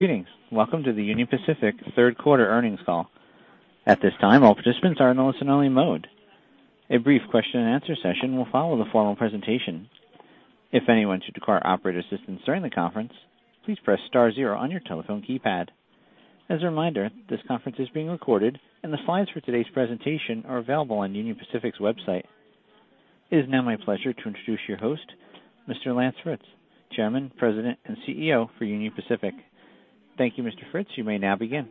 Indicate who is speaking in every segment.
Speaker 1: Greetings. Welcome to the Union Pacific third quarter earnings call. At this time, all participants are in listen-only mode. A brief question-and-answer session will follow the formal presentation. If anyone should require operator assistance during the conference, please press star zero on your telephone keypad. As a reminder, this conference is being recorded, and the slides for today's presentation are available on Union Pacific's website. It is now my pleasure to introduce your host, Mr. Lance Fritz, Chairman, President, and CEO for Union Pacific. Thank you, Mr. Fritz. You may now begin.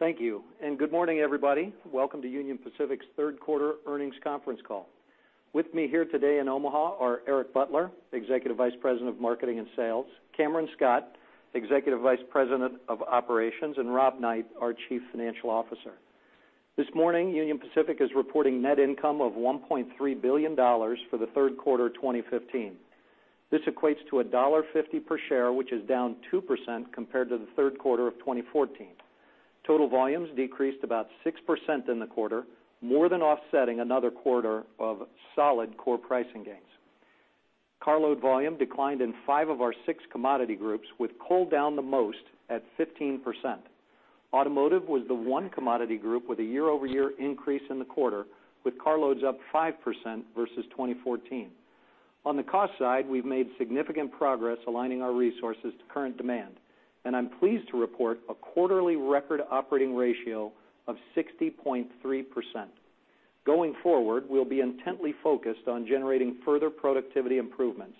Speaker 2: Thank you. Good morning, everybody. Welcome to Union Pacific's third quarter earnings conference call. With me here today in Omaha are Eric Butler, Executive Vice President of Marketing and Sales, Cameron Scott, Executive Vice President of Operations, and Robert Knight, our Chief Financial Officer. This morning, Union Pacific is reporting net income of $1.3 billion for the third quarter of 2015. This equates to $1.50 per share, which is down 2% compared to the third quarter of 2014. Total volumes decreased about 6% in the quarter, more than offsetting another quarter of solid core pricing gains. Car load volume declined in five of our six commodity groups, with coal down the most at 15%. Automotive was the one commodity group with a year-over-year increase in the quarter, with car loads up 5% versus 2014. On the cost side, we've made significant progress aligning our resources to current demand. I'm pleased to report a quarterly record operating ratio of 60.3%. Going forward, we'll be intently focused on generating further productivity improvements.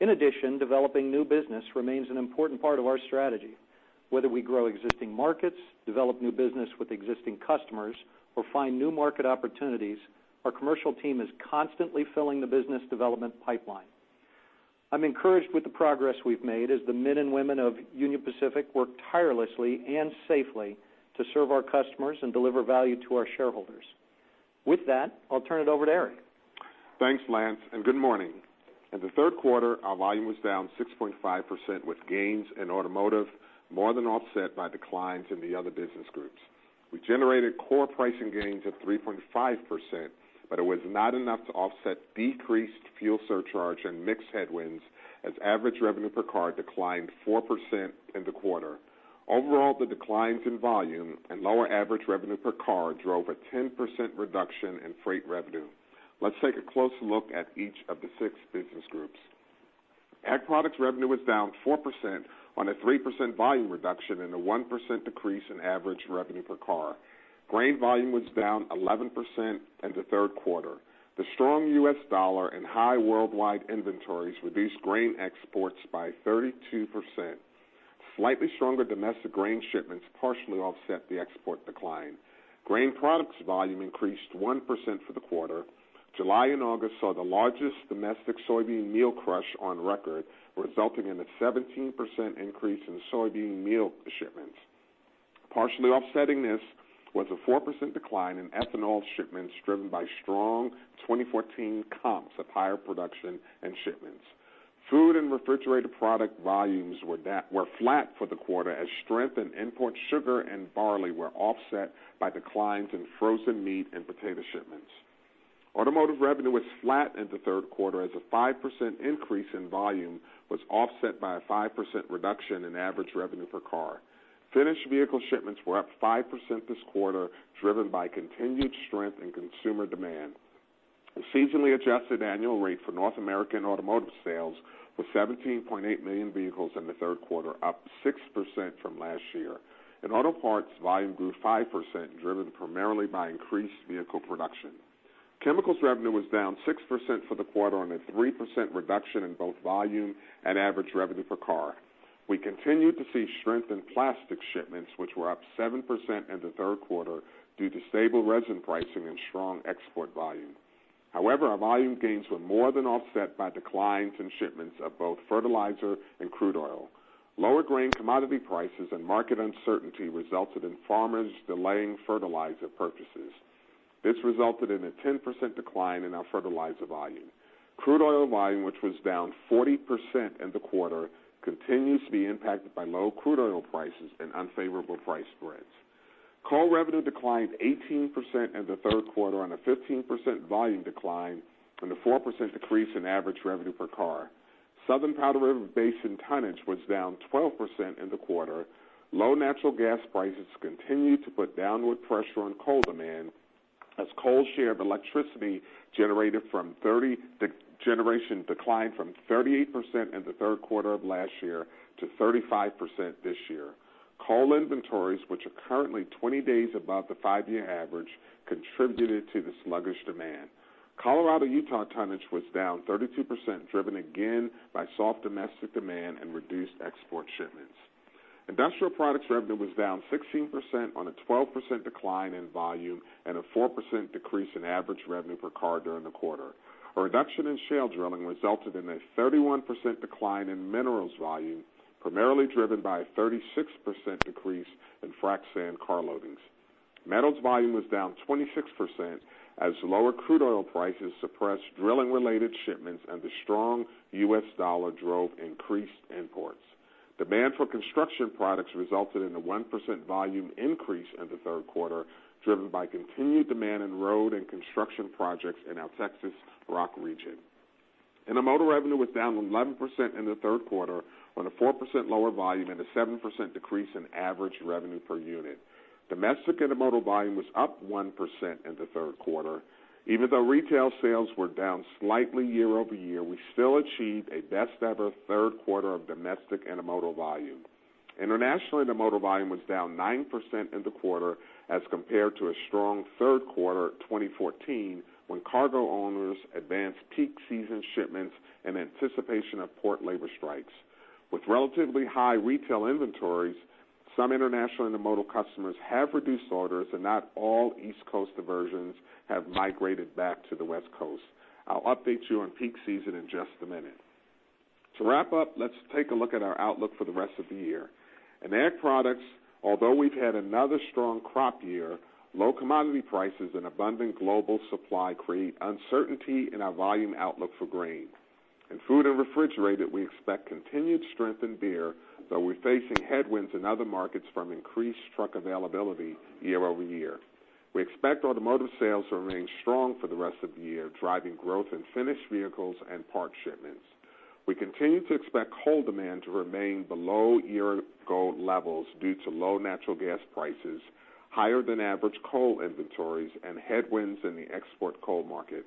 Speaker 2: In addition, developing new business remains an important part of our strategy. Whether we grow existing markets, develop new business with existing customers, or find new market opportunities, our commercial team is constantly filling the business development pipeline. I'm encouraged with the progress we've made as the men and women of Union Pacific work tirelessly and safely to serve our customers and deliver value to our shareholders. With that, I'll turn it over to Eric.
Speaker 3: Thanks, Lance. Good morning. In the third quarter, our volume was down 6.5%, with gains in automotive more than offset by declines in the other business groups. We generated core pricing gains of 3.5%, but it was not enough to offset decreased fuel surcharge and mix headwinds as average revenue per car declined 4% in the quarter. Overall, the declines in volume and lower average revenue per car drove a 10% reduction in freight revenue. Let's take a close look at each of the six business groups. Ag Products revenue was down 4% on a 3% volume reduction and a 1% decrease in average revenue per car. Grain volume was down 11% in the third quarter. The strong U.S. dollar and high worldwide inventories reduced grain exports by 32%. Slightly stronger domestic grain shipments partially offset the export decline. Grain products volume increased 1% for the quarter. July and August saw the largest domestic soybean meal crush on record, resulting in a 17% increase in soybean meal shipments. Partially offsetting this was a 4% decline in ethanol shipments, driven by strong 2014 comps of higher production and shipments. Food and refrigerated product volumes were flat for the quarter as strength in import sugar and barley were offset by declines in frozen meat and potato shipments. Automotive revenue was flat in the third quarter as a 5% increase in volume was offset by a 5% reduction in average revenue per car. Finished vehicle shipments were up 5% this quarter, driven by continued strength in consumer demand. The seasonally adjusted annual rate for North American automotive sales was 17.8 million vehicles in the third quarter, up 6% from last year. Auto parts volume grew 5%, driven primarily by increased vehicle production. Chemicals revenue was down 6% for the quarter on a 3% reduction in both volume and average revenue per car. We continued to see strength in plastic shipments, which were up 7% in the third quarter due to stable resin pricing and strong export volume. However, our volume gains were more than offset by declines in shipments of both fertilizer and crude oil. Lower grain commodity prices and market uncertainty resulted in farmers delaying fertilizer purchases. This resulted in a 10% decline in our fertilizer volume. Crude oil volume, which was down 40% in the quarter, continues to be impacted by low crude oil prices and unfavorable price spreads. Coal revenue declined 18% in the third quarter on a 15% volume decline and a 4% decrease in average revenue per car. Southern Powder River Basin tonnage was down 12% in the quarter. Low natural gas prices continued to put downward pressure on coal demand as coal share of electricity generation declined from 38% in the third quarter of last year to 35% this year. Coal inventories, which are currently 20 days above the five-year average, contributed to the sluggish demand. Colorado-Utah tonnage was down 32%, driven again by soft domestic demand and reduced export shipments. Industrial products revenue was down 16% on a 12% decline in volume and a 4% decrease in average revenue per car during the quarter. A reduction in shale drilling resulted in a 31% decline in minerals volume, primarily driven by a 36% decrease in frac sand car loadings. Metals volume was down 26% as lower crude oil prices suppressed drilling-related shipments and the strong U.S. dollar drove increased imports. Demand for construction products resulted in a 1% volume increase in the third quarter, driven by continued demand in road and construction projects in our Texas rock region. Intermodal revenue was down 11% in the third quarter on a 4% lower volume and a 7% decrease in average revenue per unit. Domestic intermodal volume was up 1% in the third quarter. Even though retail sales were down slightly year-over-year, we still achieved a best-ever third quarter of domestic intermodal volume. Internationally, intermodal volume was down 9% in the quarter as compared to a strong third quarter 2014, when cargo owners advanced peak season shipments in anticipation of port labor strikes. With relatively high retail inventories, some international intermodal customers have reduced orders, and not all East Coast diversions have migrated back to the West Coast. I'll update you on peak season in just a minute. To wrap up, let's take a look at our outlook for the rest of the year. In Ag products, although we've had another strong crop year, low commodity prices and abundant global supply create uncertainty in our volume outlook for grain. In food and refrigerated, we expect continued strength in beer, though we're facing headwinds in other markets from increased truck availability year-over-year. We expect automotive sales to remain strong for the rest of the year, driving growth in finished vehicles and parts shipments. We continue to expect coal demand to remain below year-ago levels due to low natural gas prices, higher than average coal inventories, and headwinds in the export coal market.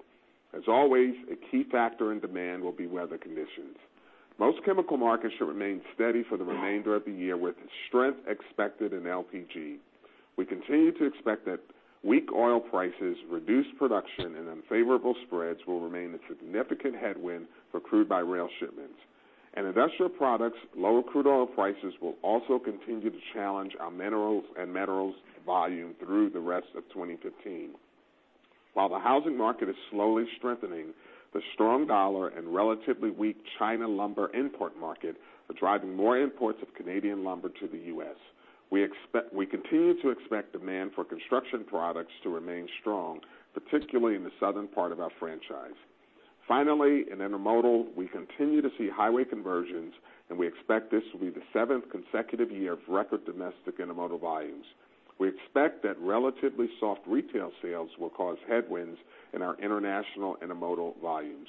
Speaker 3: As always, a key factor in demand will be weather conditions. Most chemical markets should remain steady for the remainder of the year, with strength expected in LPG. We continue to expect that weak oil prices, reduced production, and unfavorable spreads will remain a significant headwind for crude-by-rail shipments. In industrial products, lower crude oil prices will also continue to challenge our minerals and metals volume through the rest of 2015. While the housing market is slowly strengthening, the strong dollar and relatively weak China lumber import market are driving more imports of Canadian lumber to the U.S. We continue to expect demand for construction products to remain strong, particularly in the southern part of our franchise. Finally, in Intermodal, we continue to see highway conversions, and we expect this will be the seventh consecutive year of record domestic Intermodal volumes. We expect that relatively soft retail sales will cause headwinds in our international Intermodal volumes.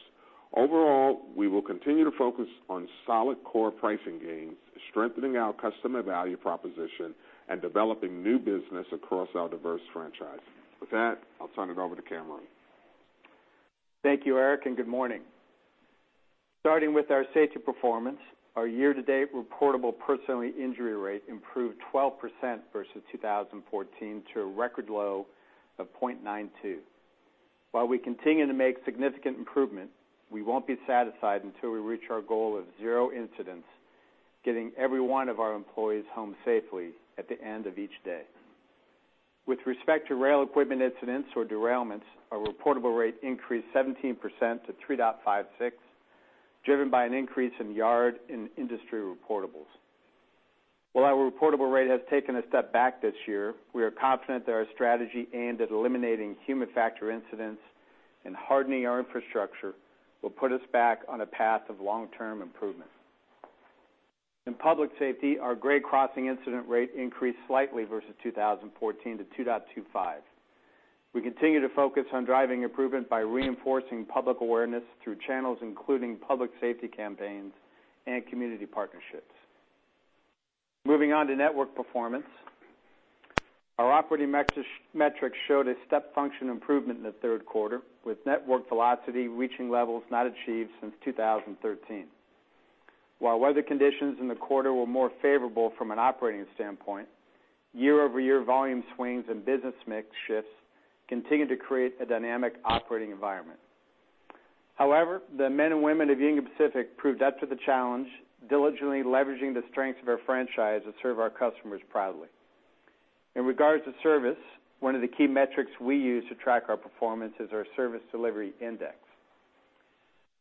Speaker 3: Overall, we will continue to focus on solid core pricing gains, strengthening our customer value proposition, and developing new business across our diverse franchise. With that, I'll turn it over to Cameron.
Speaker 4: Thank you, Eric, and good morning. Starting with our safety performance, our year-to-date reportable personally injury rate improved 12% versus 2014 to a record low of 0.92. While we continue to make significant improvement, we won't be satisfied until we reach our goal of zero incidents, getting every one of our employees home safely at the end of each day. With respect to rail equipment incidents or derailments, our reportable rate increased 17% to 3.56, driven by an increase in yard and industry reportables. While our reportable rate has taken a step back this year, we are confident that our strategy aimed at eliminating human factor incidents and hardening our infrastructure will put us back on a path of long-term improvement. In public safety, our grade crossing incident rate increased slightly versus 2014 to 2.25. We continue to focus on driving improvement by reinforcing public awareness through channels including public safety campaigns and community partnerships. Moving on to network performance. Our operating metrics showed a step function improvement in the third quarter, with network velocity reaching levels not achieved since 2013. While weather conditions in the quarter were more favorable from an operating standpoint, year-over-year volume swings and business mix shifts continue to create a dynamic operating environment. The men and women of Union Pacific proved up to the challenge, diligently leveraging the strengths of our franchise to serve our customers proudly. In regards to service, one of the key metrics we use to track our performance is our Service Delivery Index.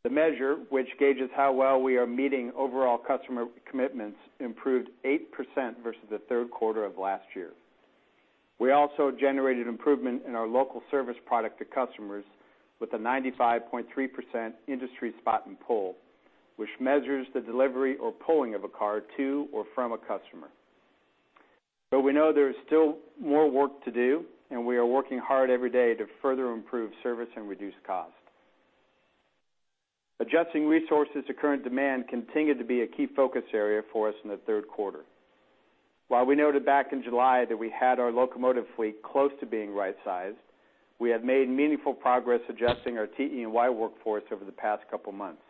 Speaker 4: The measure, which gauges how well we are meeting overall customer commitments, improved 8% versus the third quarter of last year. We also generated improvement in our local service product to customers with a 95.3% Industry Spot & Pull, which measures the delivery or pulling of a car to or from a customer. We know there is still more work to do, and we are working hard every day to further improve service and reduce cost. Adjusting resources to current demand continued to be a key focus area for us in the third quarter. While we noted back in July that we had our locomotive fleet close to being right-sized, we have made meaningful progress adjusting our TE&Y workforce over the past couple of months.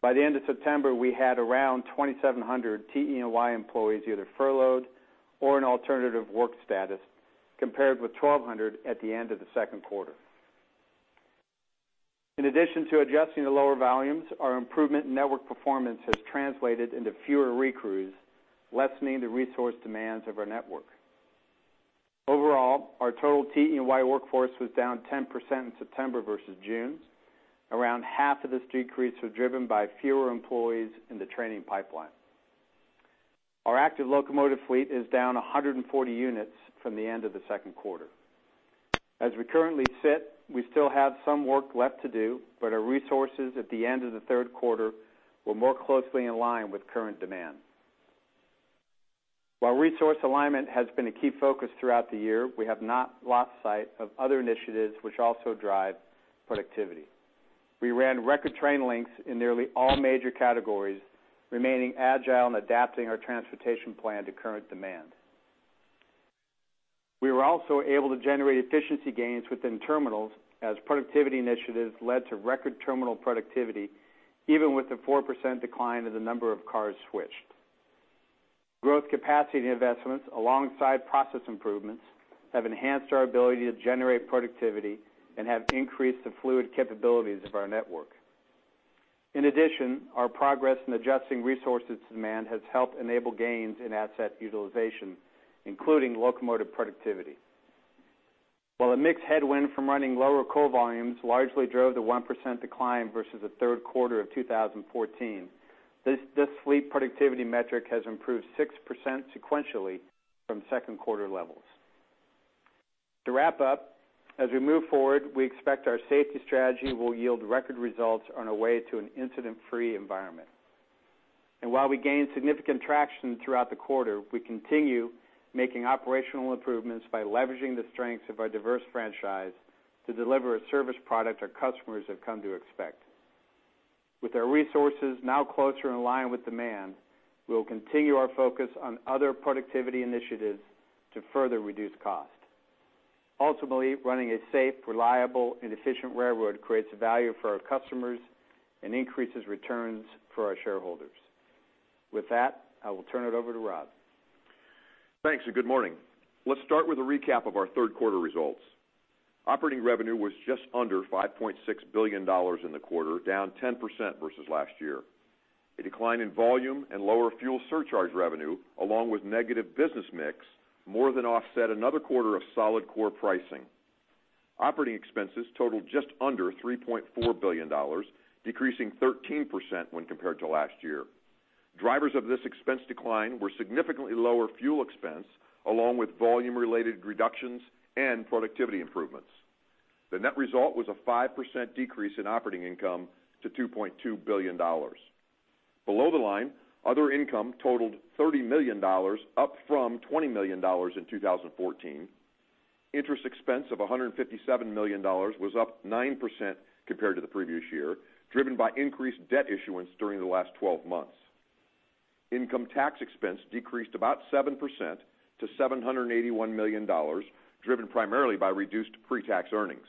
Speaker 4: By the end of September, we had around 2,700 TE&Y employees either furloughed or in alternative work status, compared with 1,200 at the end of the second quarter. In addition to adjusting to lower volumes, our improvement in network performance has translated into fewer recrews, lessening the resource demands of our network. Overall, our total TE&Y workforce was down 10% in September versus June. Around half of this decrease was driven by fewer employees in the training pipeline. Our active locomotive fleet is down 140 units from the end of the second quarter. As we currently sit, we still have some work left to do, our resources at the end of the third quarter were more closely in line with current demand. While resource alignment has been a key focus throughout the year, we have not lost sight of other initiatives which also drive productivity. We ran record train lengths in nearly all major categories, remaining agile and adapting our transportation plan to current demand. We were also able to generate efficiency gains within terminals as productivity initiatives led to record terminal productivity, even with the 4% decline in the number of cars switched. Growth capacity investments, alongside process improvements, have enhanced our ability to generate productivity and have increased the fluid capabilities of our network. In addition, our progress in adjusting resources to demand has helped enable gains in asset utilization, including locomotive productivity. While a mixed headwind from running lower coal volumes largely drove the 1% decline versus the third quarter of 2014, this fleet productivity metric has improved 6% sequentially from second quarter levels. To wrap up, as we move forward, we expect our safety strategy will yield record results on our way to an incident-free environment. While we gain significant traction throughout the quarter, we continue making operational improvements by leveraging the strengths of our diverse franchise to deliver a service product our customers have come to expect. With our resources now closer in line with demand, we will continue our focus on other productivity initiatives to further reduce cost. Ultimately, running a safe, reliable, and efficient railroad creates value for our customers and increases returns for our shareholders. With that, I will turn it over to Rob.
Speaker 5: Thanks, and good morning. Let's start with a recap of our third quarter results. Operating revenue was just under $5.6 billion in the quarter, down 10% versus last year. A decline in volume and lower fuel surcharge revenue, along with negative business mix, more than offset another quarter of solid core pricing. Operating expenses totaled just under $3.4 billion, decreasing 13% when compared to last year. Drivers of this expense decline were significantly lower fuel expense, along with volume-related reductions and productivity improvements. The net result was a 5% decrease in operating income to $2.2 billion. Below the line, other income totaled $30 million, up from $20 million in 2014. Interest expense of $157 million was up 9% compared to the previous year, driven by increased debt issuance during the last 12 months. Income tax expense decreased about 7% to $781 million, driven primarily by reduced pre-tax earnings.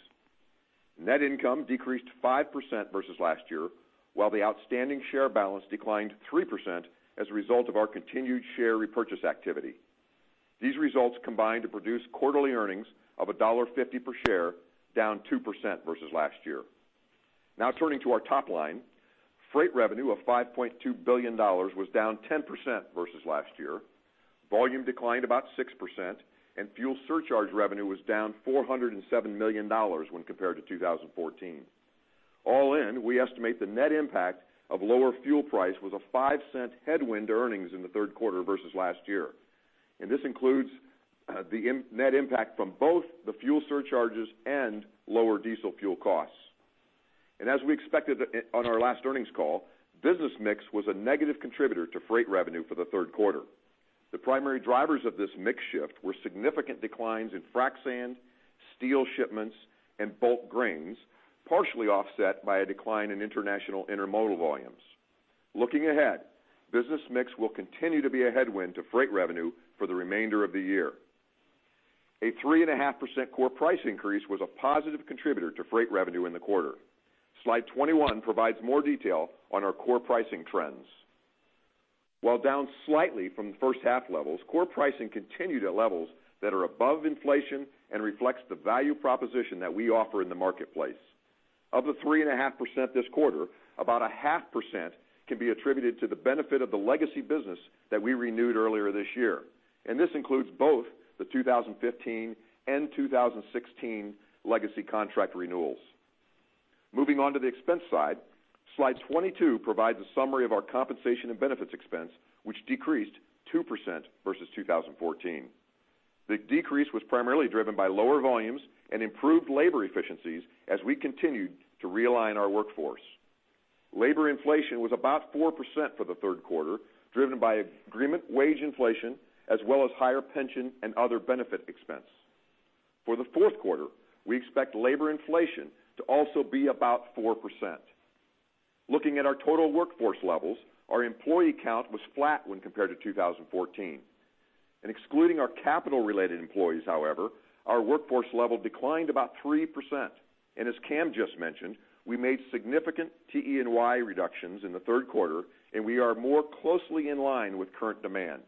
Speaker 5: Net income decreased 5% versus last year, while the outstanding share balance declined 3% as a result of our continued share repurchase activity. These results combined to produce quarterly earnings of $1.50 per share, down 2% versus last year. Now turning to our top line. Freight revenue of $5.2 billion was down 10% versus last year. Volume declined about 6%, and fuel surcharge revenue was down $407 million when compared to 2014. All in, we estimate the net impact of lower fuel price was a $0.05 headwind to earnings in the third quarter versus last year. This includes the net impact from both the fuel surcharges and lower diesel fuel costs. As we expected on our last earnings call, business mix was a negative contributor to freight revenue for the third quarter. The primary drivers of this mix shift were significant declines in frac sand, steel shipments, and bulk grains, partially offset by a decline in international intermodal volumes. Looking ahead, business mix will continue to be a headwind to freight revenue for the remainder of the year. A 3.5% core price increase was a positive contributor to freight revenue in the quarter. Slide 21 provides more detail on our core pricing trends. While down slightly from first half levels, core pricing continued at levels that are above inflation and reflects the value proposition that we offer in the marketplace. Of the 3.5% this quarter, about 0.5% can be attributed to the benefit of the legacy business that we renewed earlier this year. This includes both the 2015 and 2016 legacy contract renewals. Moving on to the expense side, slide 22 provides a summary of our compensation and benefits expense, which decreased 2% versus 2014. The decrease was primarily driven by lower volumes and improved labor efficiencies as we continued to realign our workforce. Labor inflation was about 4% for the third quarter, driven by agreement wage inflation as well as higher pension and other benefit expense. For the fourth quarter, we expect labor inflation to also be about 4%. Looking at our total workforce levels, our employee count was flat when compared to 2014, excluding our capital-related employees, however, our workforce level declined about 3%. As Cam just mentioned, we made significant TE&Y reductions in the third quarter, and we are more closely in line with current demand.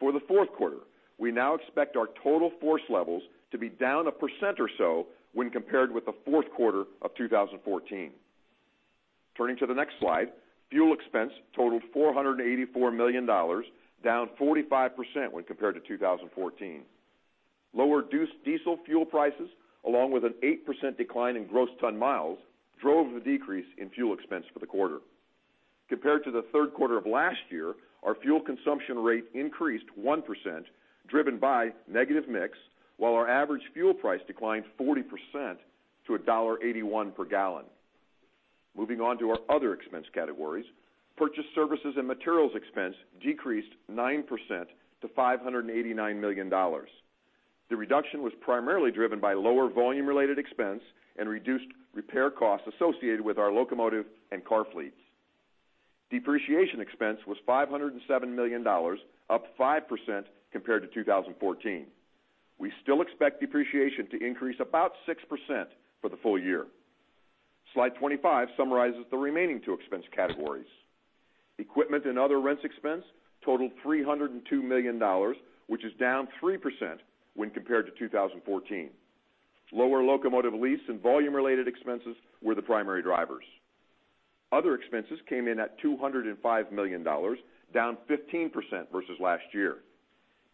Speaker 5: For the fourth quarter, we now expect our total force levels to be down 1% or so when compared with the fourth quarter of 2014. Turning to the next slide, fuel expense totaled $484 million, down 45% when compared to 2014. Lower diesel fuel prices, along with an 8% decline in gross ton miles, drove the decrease in fuel expense for the quarter. Compared to the third quarter of last year, our fuel consumption rate increased 1%, driven by negative mix, while our average fuel price declined 40% to $1.81 per gallon. Moving on to our other expense categories, purchase services and materials expense decreased 9% to $589 million. The reduction was primarily driven by lower volume-related expense and reduced repair costs associated with our locomotive and car fleets. Depreciation expense was $507 million, up 5% compared to 2014. We still expect depreciation to increase about 6% for the full year. Slide 25 summarizes the remaining two expense categories. Equipment and other rents expense totaled $302 million, which is down 3% when compared to 2014. Lower locomotive lease and volume-related expenses were the primary drivers. Other expenses came in at $205 million, down 15% versus last year.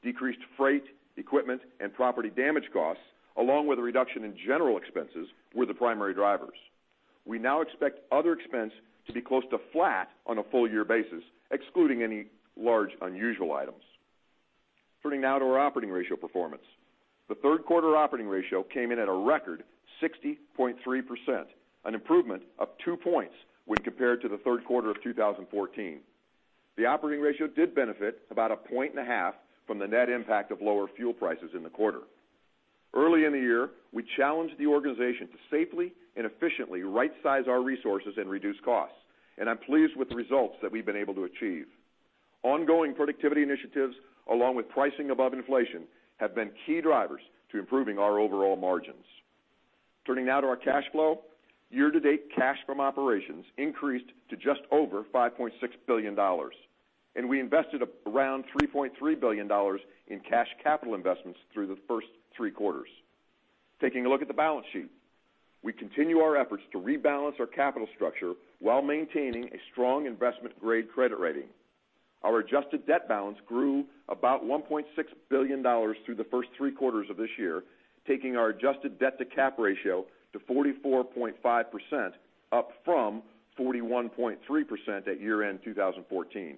Speaker 5: Decreased freight, equipment, and property damage costs, along with a reduction in general expenses, were the primary drivers. We now expect other expense to be close to flat on a full-year basis, excluding any large, unusual items. Turning now to our operating ratio performance. The third quarter operating ratio came in at a record 60.3%, an improvement of two points when compared to the third quarter of 2014. The operating ratio did benefit about a point and a half from the net impact of lower fuel prices in the quarter. Early in the year, we challenged the organization to safely and efficiently rightsize our resources and reduce costs. I'm pleased with the results that we've been able to achieve. Ongoing productivity initiatives, along with pricing above inflation, have been key drivers to improving our overall margins. Turning now to our cash flow. Year-to-date cash from operations increased to just over $5.6 billion. We invested around $3.3 billion in cash capital investments through the first three quarters. Taking a look at the balance sheet. We continue our efforts to rebalance our capital structure while maintaining a strong investment-grade credit rating. Our adjusted debt balance grew about $1.6 billion through the first three quarters of this year, taking our adjusted debt-to-cap ratio to 44.5%, up from 41.3% at year-end 2014.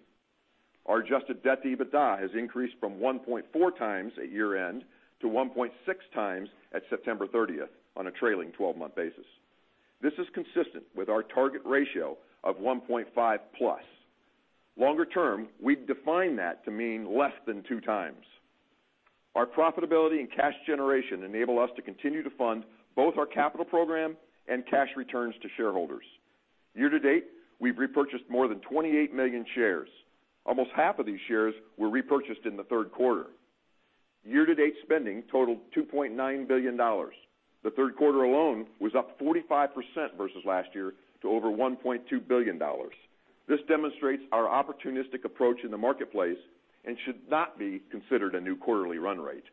Speaker 5: Our adjusted debt-to-EBITDA has increased from 1.4 times at year-end to 1.6 times at September 30th on a trailing 12-month basis. This is consistent with our target ratio of 1.5 plus. Longer term, we've defined that to mean less than two times. Our profitability and cash generation enable us to continue to fund both our capital program and cash returns to shareholders. Year-to-date, we've repurchased more than 28 million shares. Almost half of these shares were repurchased in the third quarter. Year-to-date spending totaled $2.9 billion. The third quarter alone was up 45% versus last year to over $1.2 billion. This demonstrates our opportunistic approach in the marketplace and should not be considered a new quarterly run rate.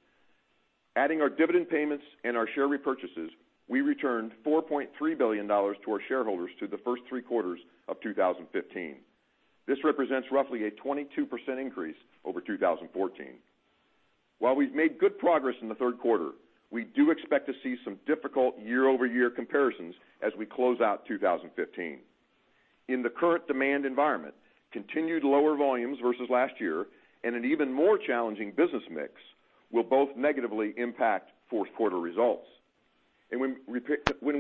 Speaker 5: Adding our dividend payments and our share repurchases, we returned $4.3 billion to our shareholders through the first three quarters of 2015. This represents roughly a 22% increase over 2014. While we've made good progress in the third quarter, we do expect to see some difficult year-over-year comparisons as we close out 2015. In the current demand environment, continued lower volumes versus last year and an even more challenging business mix will both negatively impact fourth quarter results. When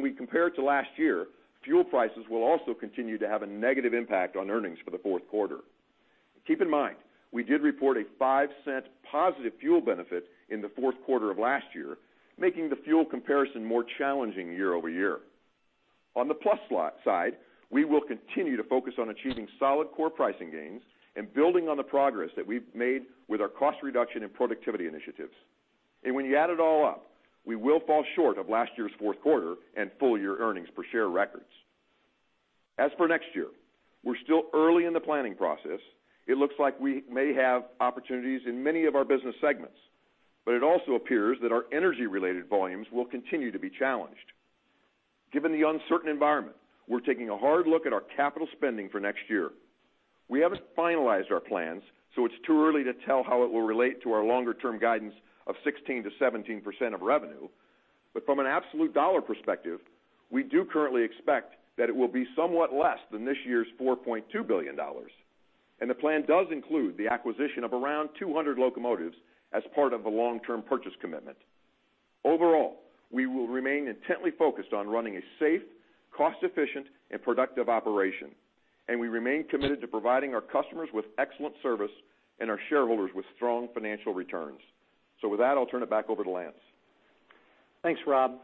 Speaker 5: we compare to last year, fuel prices will also continue to have a negative impact on earnings for the fourth quarter. Keep in mind, we did report a $0.05 positive fuel benefit in the fourth quarter of last year, making the fuel comparison more challenging year-over-year. On the plus side, we will continue to focus on achieving solid core pricing gains and building on the progress that we've made with our cost reduction and productivity initiatives. When you add it all up, we will fall short of last year's fourth quarter and full-year earnings per share records. As for next year, we're still early in the planning process. It looks like we may have opportunities in many of our business segments, but it also appears that our energy-related volumes will continue to be challenged. Given the uncertain environment, we're taking a hard look at our capital spending for next year. We haven't finalized our plans, so it's too early to tell how it will relate to our longer-term guidance of 16%-17% of revenue. From an absolute dollar perspective, we do currently expect that it will be somewhat less than this year's $4.2 billion, and the plan does include the acquisition of around 200 locomotives as part of a long-term purchase commitment. Overall, we will remain intently focused on running a safe, cost-efficient, and productive operation, and we remain committed to providing our customers with excellent service and our shareholders with strong financial returns. With that, I'll turn it back over to Lance.
Speaker 2: Thanks, Rob.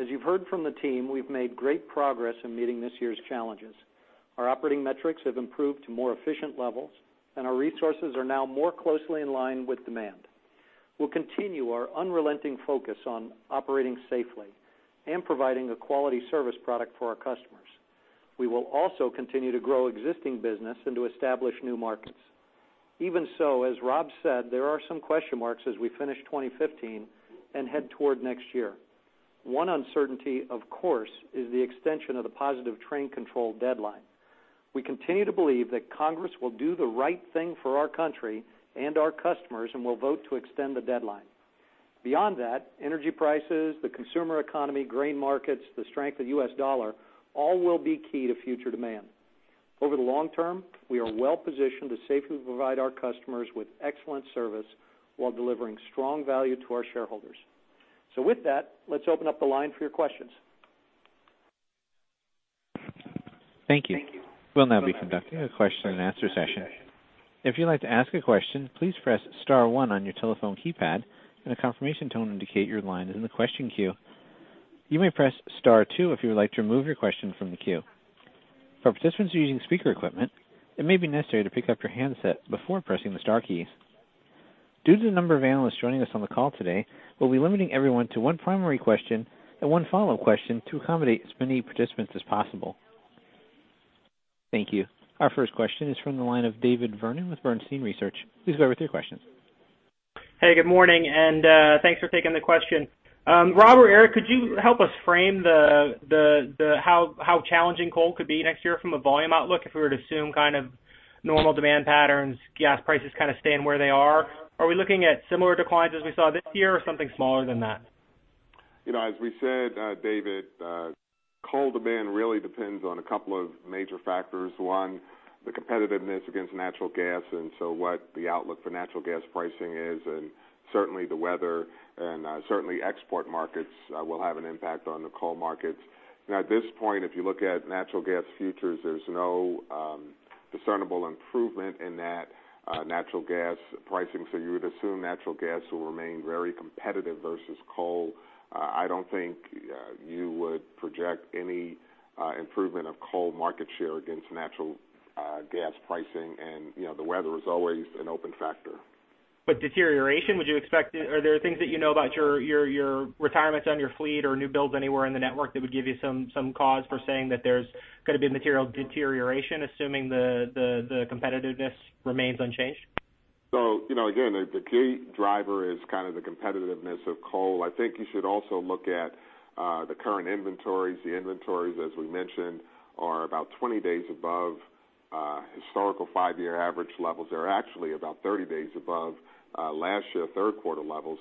Speaker 2: As you've heard from the team, we've made great progress in meeting this year's challenges. Our operating metrics have improved to more efficient levels, and our resources are now more closely in line with demand. We'll continue our unrelenting focus on operating safely and providing a quality service product for our customers. We will also continue to grow existing business and to establish new markets. As Rob said, there are some question marks as we finish 2015 and head toward next year. One uncertainty, of course, is the extension of the positive train control deadline. We continue to believe that Congress will do the right thing for our country and our customers and will vote to extend the deadline. Beyond that, energy prices, the consumer economy, grain markets, the strength of the U.S. dollar, all will be key to future demand. Over the long term, we are well-positioned to safely provide our customers with excellent service while delivering strong value to our shareholders. With that, let's open up the line for your questions.
Speaker 1: Thank you. We'll now be conducting a question and answer session. If you'd like to ask a question, please press *1 on your telephone keypad, and a confirmation tone will indicate your line is in the question queue. You may press *2 if you would like to remove your question from the queue. For participants who are using speaker equipment, it may be necessary to pick up your handset before pressing the * keys. Due to the number of analysts joining us on the call today, we'll be limiting everyone to one primary question and one follow-up question to accommodate as many participants as possible. Thank you. Our first question is from the line of David Vernon with Bernstein Research. Please go ahead with your questions.
Speaker 6: Hey, good morning. Thanks for taking the question. Rob or Eric, could you help us frame how challenging coal could be next year from a volume outlook, if we were to assume kind of normal demand patterns, gas prices kind of staying where they are? Are we looking at similar declines as we saw this year or something smaller than that?
Speaker 3: As we said, David, coal demand really depends on a couple of major factors. One, the competitiveness against natural gas, what the outlook for natural gas pricing is, the weather, export markets will have an impact on the coal markets. At this point, if you look at natural gas futures, there's no discernible improvement in that natural gas pricing. You would assume natural gas will remain very competitive versus coal. I don't think you would project any improvement of coal market share against natural gas pricing. The weather is always an open factor.
Speaker 6: Deterioration, would you expect it? Are there things that you know about your retirements on your fleet or new builds anywhere in the network that would give you some cause for saying that there's going to be material deterioration, assuming the competitiveness remains unchanged?
Speaker 3: Again, the key driver is kind of the competitiveness of coal. I think you should also look at the current inventories. The inventories, as we mentioned, are about 20 days above historical five-year average levels. They're actually about 30 days above last year, third quarter levels.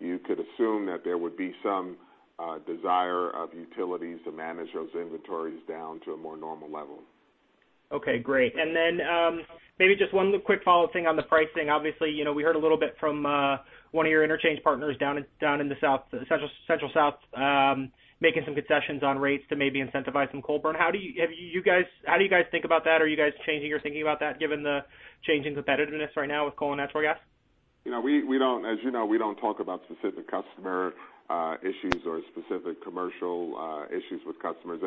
Speaker 3: You could assume that there would be some desire of utilities to manage those inventories down to a more normal level.
Speaker 6: Okay, great. Maybe just one quick follow thing on the pricing. Obviously, we heard a little bit from one of your interchange partners down in the central south making some concessions on rates to maybe incentivize some coal burn. How do you guys think about that? Are you guys changing your thinking about that given the changing competitiveness right now with coal and natural gas?
Speaker 3: As you know, we don't talk about specific customer issues or specific commercial issues with customers.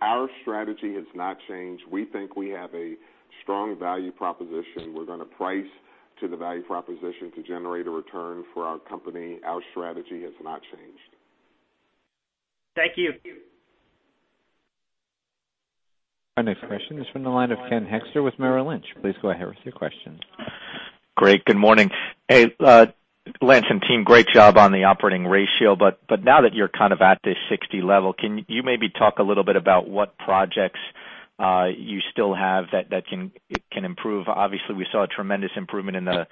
Speaker 3: Our strategy has not changed. We think we have a strong value proposition. We're going to price to the value proposition to generate a return for our company. Our strategy has not changed.
Speaker 6: Thank you.
Speaker 1: Our next question is from the line of Ken Hoexter with Merrill Lynch. Please go ahead with your question.
Speaker 7: Great. Good morning. Hey, Lance and team, great job on the operating ratio. Now that you're kind of at this 60 level, can you maybe talk a little bit about what projects you still have that can improve? Obviously, we saw a tremendous improvement in the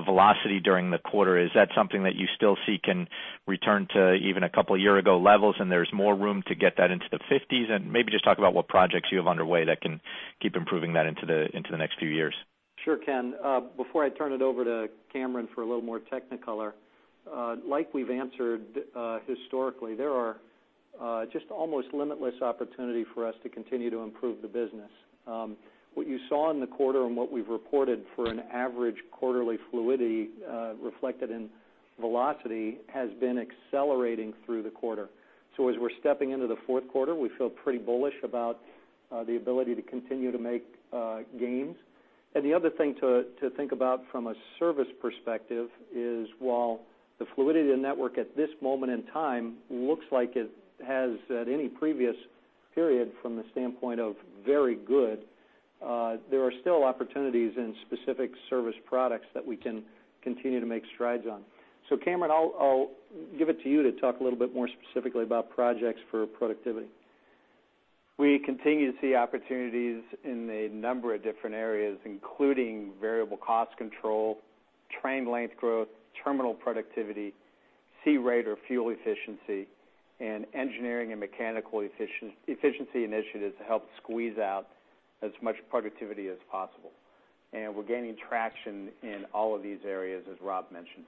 Speaker 7: velocity during the quarter. Is that something that you still seek and return to even a couple of year ago levels, and there's more room to get that into the 50s? Maybe just talk about what projects you have underway that can keep improving that into the next few years.
Speaker 2: Sure, Ken. Before I turn it over to Cameron for a little more technicolor, like we've answered historically, there are just almost limitless opportunity for us to continue to improve the business. What you saw in the quarter and what we've reported for an average quarterly fluidity reflected in velocity has been accelerating through the quarter. As we're stepping into the fourth quarter, we feel pretty bullish about the ability to continue to make gains. The other thing to think about from a service perspective is while the fluidity of the network at this moment in time looks like it has at any previous period from the standpoint of very good, there are still opportunities in specific service products that we can continue to make strides on. Cameron, I'll give it to you to talk a little bit more specifically about projects for productivity.
Speaker 4: We continue to see opportunities in a number of different areas, including variable cost control, train length growth, terminal productivity, GTM rate or fuel efficiency, and engineering and mechanical efficiency initiatives to help squeeze out as much productivity as possible. We're gaining traction in all of these areas, as Rob mentioned.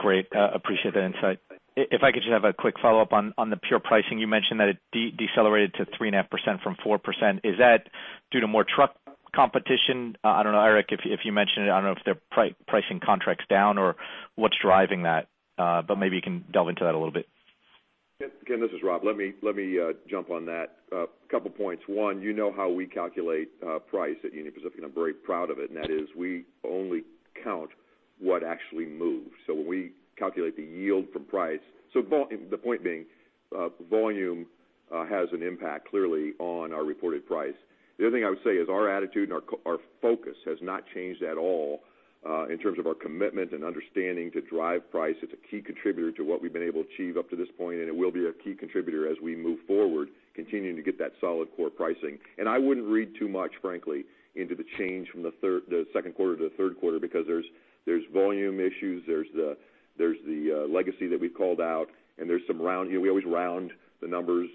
Speaker 7: Great. Appreciate that insight. If I could just have a quick follow-up on the pure pricing, you mentioned that it decelerated to 3.5% from 4%. Is that due to more truck competition? I don't know, Eric, if you mentioned it, I don't know if they're pricing contracts down or what's driving that. Maybe you can delve into that a little bit.
Speaker 5: Ken, this is Rob. Let me jump on that. A couple of points. One, you know how we calculate price at Union Pacific, and I'm very proud of it, and that is we only count what actually moves. When we calculate the yield from price. The point being, volume has an impact, clearly, on our reported price. The other thing I would say is our attitude and our focus has not changed at all In terms of our commitment and understanding to drive price, it's a key contributor to what we've been able to achieve up to this point, and it will be a key contributor as we move forward, continuing to get that solid core pricing. I wouldn't read too much, frankly, into the change from the second quarter to the third quarter, because there's volume issues, there's the legacy that we've called out, and there's some round here. We always round the numbers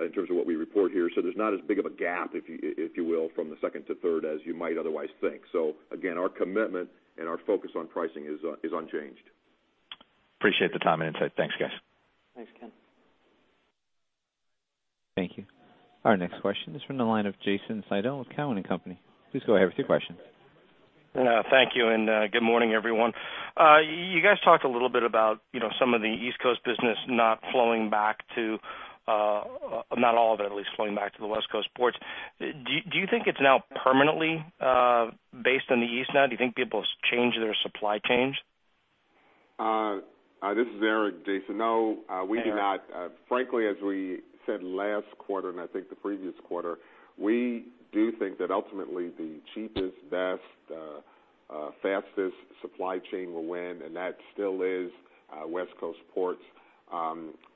Speaker 5: in terms of what we report here. There's not as big of a gap, if you will, from the second to third as you might otherwise think. Again, our commitment and our focus on pricing is unchanged.
Speaker 7: Appreciate the time and insight. Thanks, guys.
Speaker 2: Thanks, Ken.
Speaker 1: Thank you. Our next question is from the line of Jason Seidl with Cowen and Company. Please go ahead with your question.
Speaker 8: Thank you. Good morning, everyone. You guys talked a little bit about some of the East Coast business not flowing back to, not all of it at least, flowing back to the West Coast ports. Do you think it's now permanently based on the East now? Do you think people change their supply chains?
Speaker 3: This is Eric. Jason, no, we do not.
Speaker 8: Eric.
Speaker 3: Frankly, as we said last quarter, and I think the previous quarter, we do think that ultimately the cheapest, best, fastest supply chain will win, and that still is West Coast ports.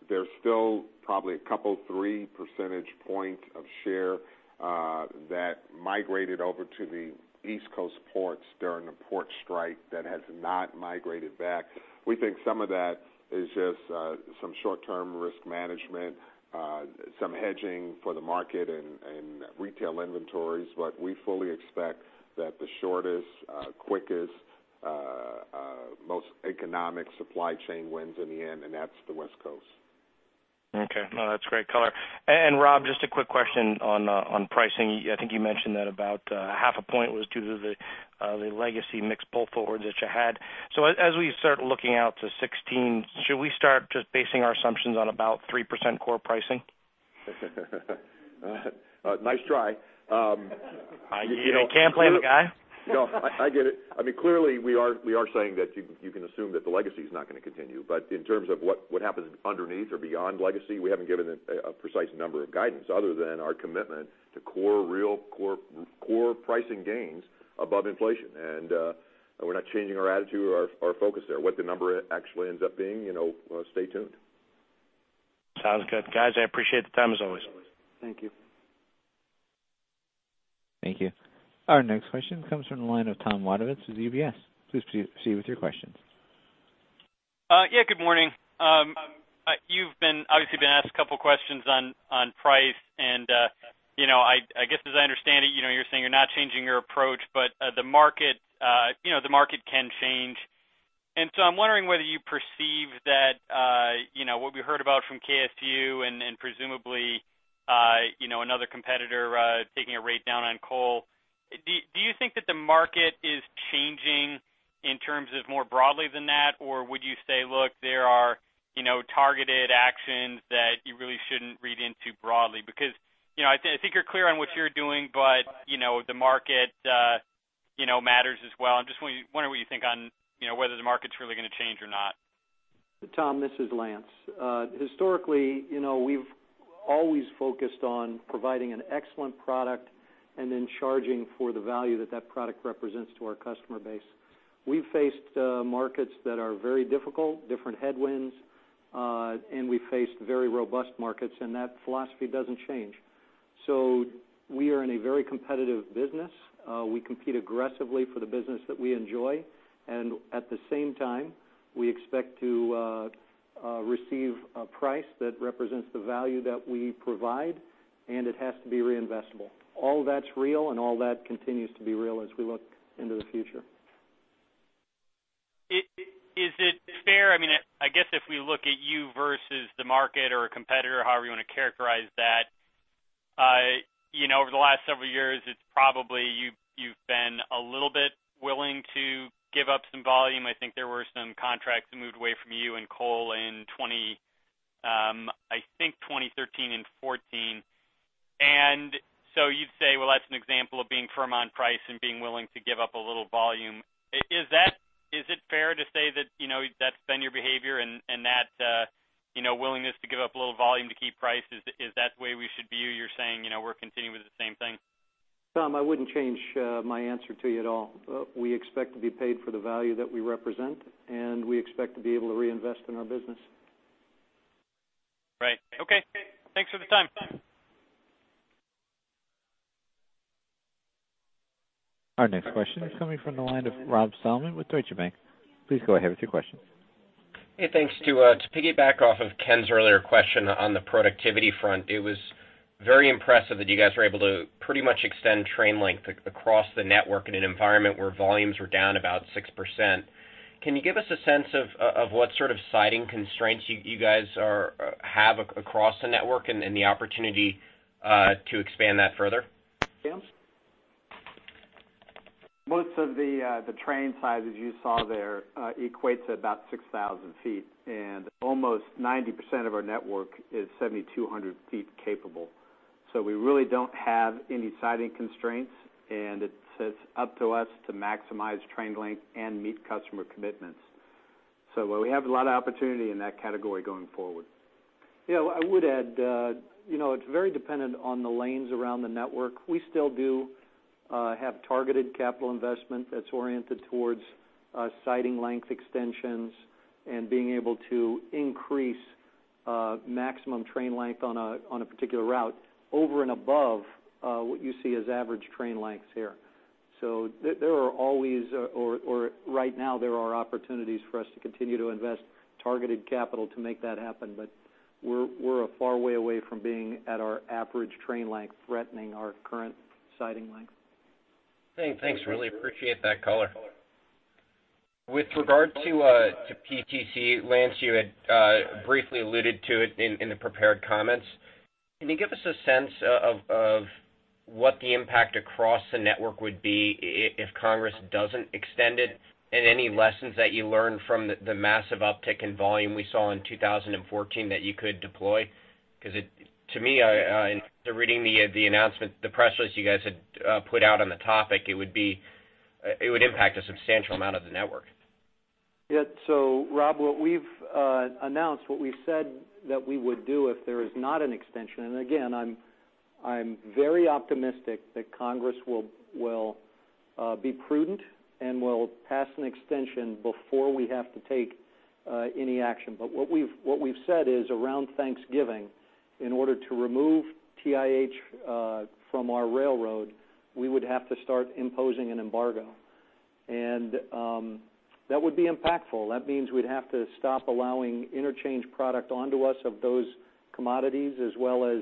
Speaker 3: There's still probably a couple, three percentage point of share that migrated over to the East Coast ports during the port strike that has not migrated back. We think some of that is just some short-term risk management, some hedging for the market and retail inventories. We fully expect that the shortest, quickest, most economic supply chain wins in the end, and that's the West Coast.
Speaker 8: Okay. No, that's great color. Rob, just a quick question on pricing. I think you mentioned that about half a point was due to the legacy mix pull forward that you had. As we start looking out to 2016, should we start just basing our assumptions on about 3% core pricing?
Speaker 5: Nice try.
Speaker 8: You can't blame a guy.
Speaker 5: No, I get it. Clearly, we are saying that you can assume that the legacy is not going to continue. In terms of what happens underneath or beyond legacy, we haven't given a precise number of guidance other than our commitment to core pricing gains above inflation. We're not changing our attitude or our focus there. What the number actually ends up being, stay tuned.
Speaker 8: Sounds good. Guys, I appreciate the time as always.
Speaker 2: Thank you.
Speaker 1: Thank you. Our next question comes from the line of Tom Wadewitz with UBS. Please proceed with your questions.
Speaker 9: Good morning. You've obviously been asked a couple of questions on price and I guess as I understand it, you're saying you're not changing your approach, but the market can change. I'm wondering whether you perceive that what we heard about from KSU and presumably another competitor taking a rate down on coal, do you think that the market is changing in terms of more broadly than that? Or would you say, look, there are targeted actions that you really shouldn't read into broadly? I think you're clear on what you're doing, but the market matters as well. I'm just wondering what you think on whether the market's really going to change or not.
Speaker 2: Tom, this is Lance. Historically, we've always focused on providing an excellent product and then charging for the value that that product represents to our customer base. We've faced markets that are very difficult, different headwinds, and we faced very robust markets, and that philosophy doesn't change. We are in a very competitive business. We compete aggressively for the business that we enjoy, and at the same time, we expect to receive a price that represents the value that we provide, and it has to be reinvestable. All that's real and all that continues to be real as we look into the future.
Speaker 9: Is it fair, I guess if we look at you versus the market or a competitor, however you want to characterize that, over the last several years, it's probably you've been a little bit willing to give up some volume. I think there were some contracts that moved away from you and coal in, I think 2013 and 2014. So you'd say, well, that's an example of being firm on price and being willing to give up a little volume. Is it fair to say that's been your behavior and that willingness to give up a little volume to keep price, is that the way we should view you're saying, we're continuing with the same thing?
Speaker 2: Tom, I wouldn't change my answer to you at all. We expect to be paid for the value that we represent, and we expect to be able to reinvest in our business.
Speaker 9: Right. Okay. Thanks for the time.
Speaker 1: Our next question is coming from the line of Rob Salmon with Deutsche Bank. Please go ahead with your question.
Speaker 10: Hey, thanks. To piggyback off of Ken's earlier question on the productivity front, it was very impressive that you guys were able to pretty much extend train length across the network in an environment where volumes were down about 6%. Can you give us a sense of what sort of siding constraints you guys have across the network and the opportunity to expand that further?
Speaker 4: Lance? Most of the train sizes you saw there equates at about 6,000 feet. Almost 90% of our network is 7,200 feet capable. We really don't have any siding constraints, and it's up to us to maximize train length and meet customer commitments. We have a lot of opportunity in that category going forward.
Speaker 2: Yeah, I would add, it's very dependent on the lanes around the network. We still do have targeted capital investment that's oriented towards siding length extensions and being able to increase maximum train length on a particular route over and above what you see as average train lengths here. There are always, or right now, there are opportunities for us to continue to invest targeted capital to make that happen. We're a far way away from being at our average train length threatening our current siding length.
Speaker 10: Thanks. Really appreciate that color. With regard to PTC, Lance, you had briefly alluded to it in the prepared comments. Can you give us a sense of what the impact across the network would be if Congress doesn't extend it, and any lessons that you learned from the massive uptick in volume we saw in 2014 that you could deploy? To me, after reading the announcement, the press release you guys had put out on the topic, it would impact a substantial amount of the network.
Speaker 2: Yeah. Rob, what we've announced, what we've said that we would do if there is not an extension, and again, I'm very optimistic that Congress will be prudent and will pass an extension before we have to take any action. What we've said is around Thanksgiving, in order to remove TIH from our railroad, we would have to start imposing an embargo. That would be impactful. That means we'd have to stop allowing interchange product onto us of those commodities, as well as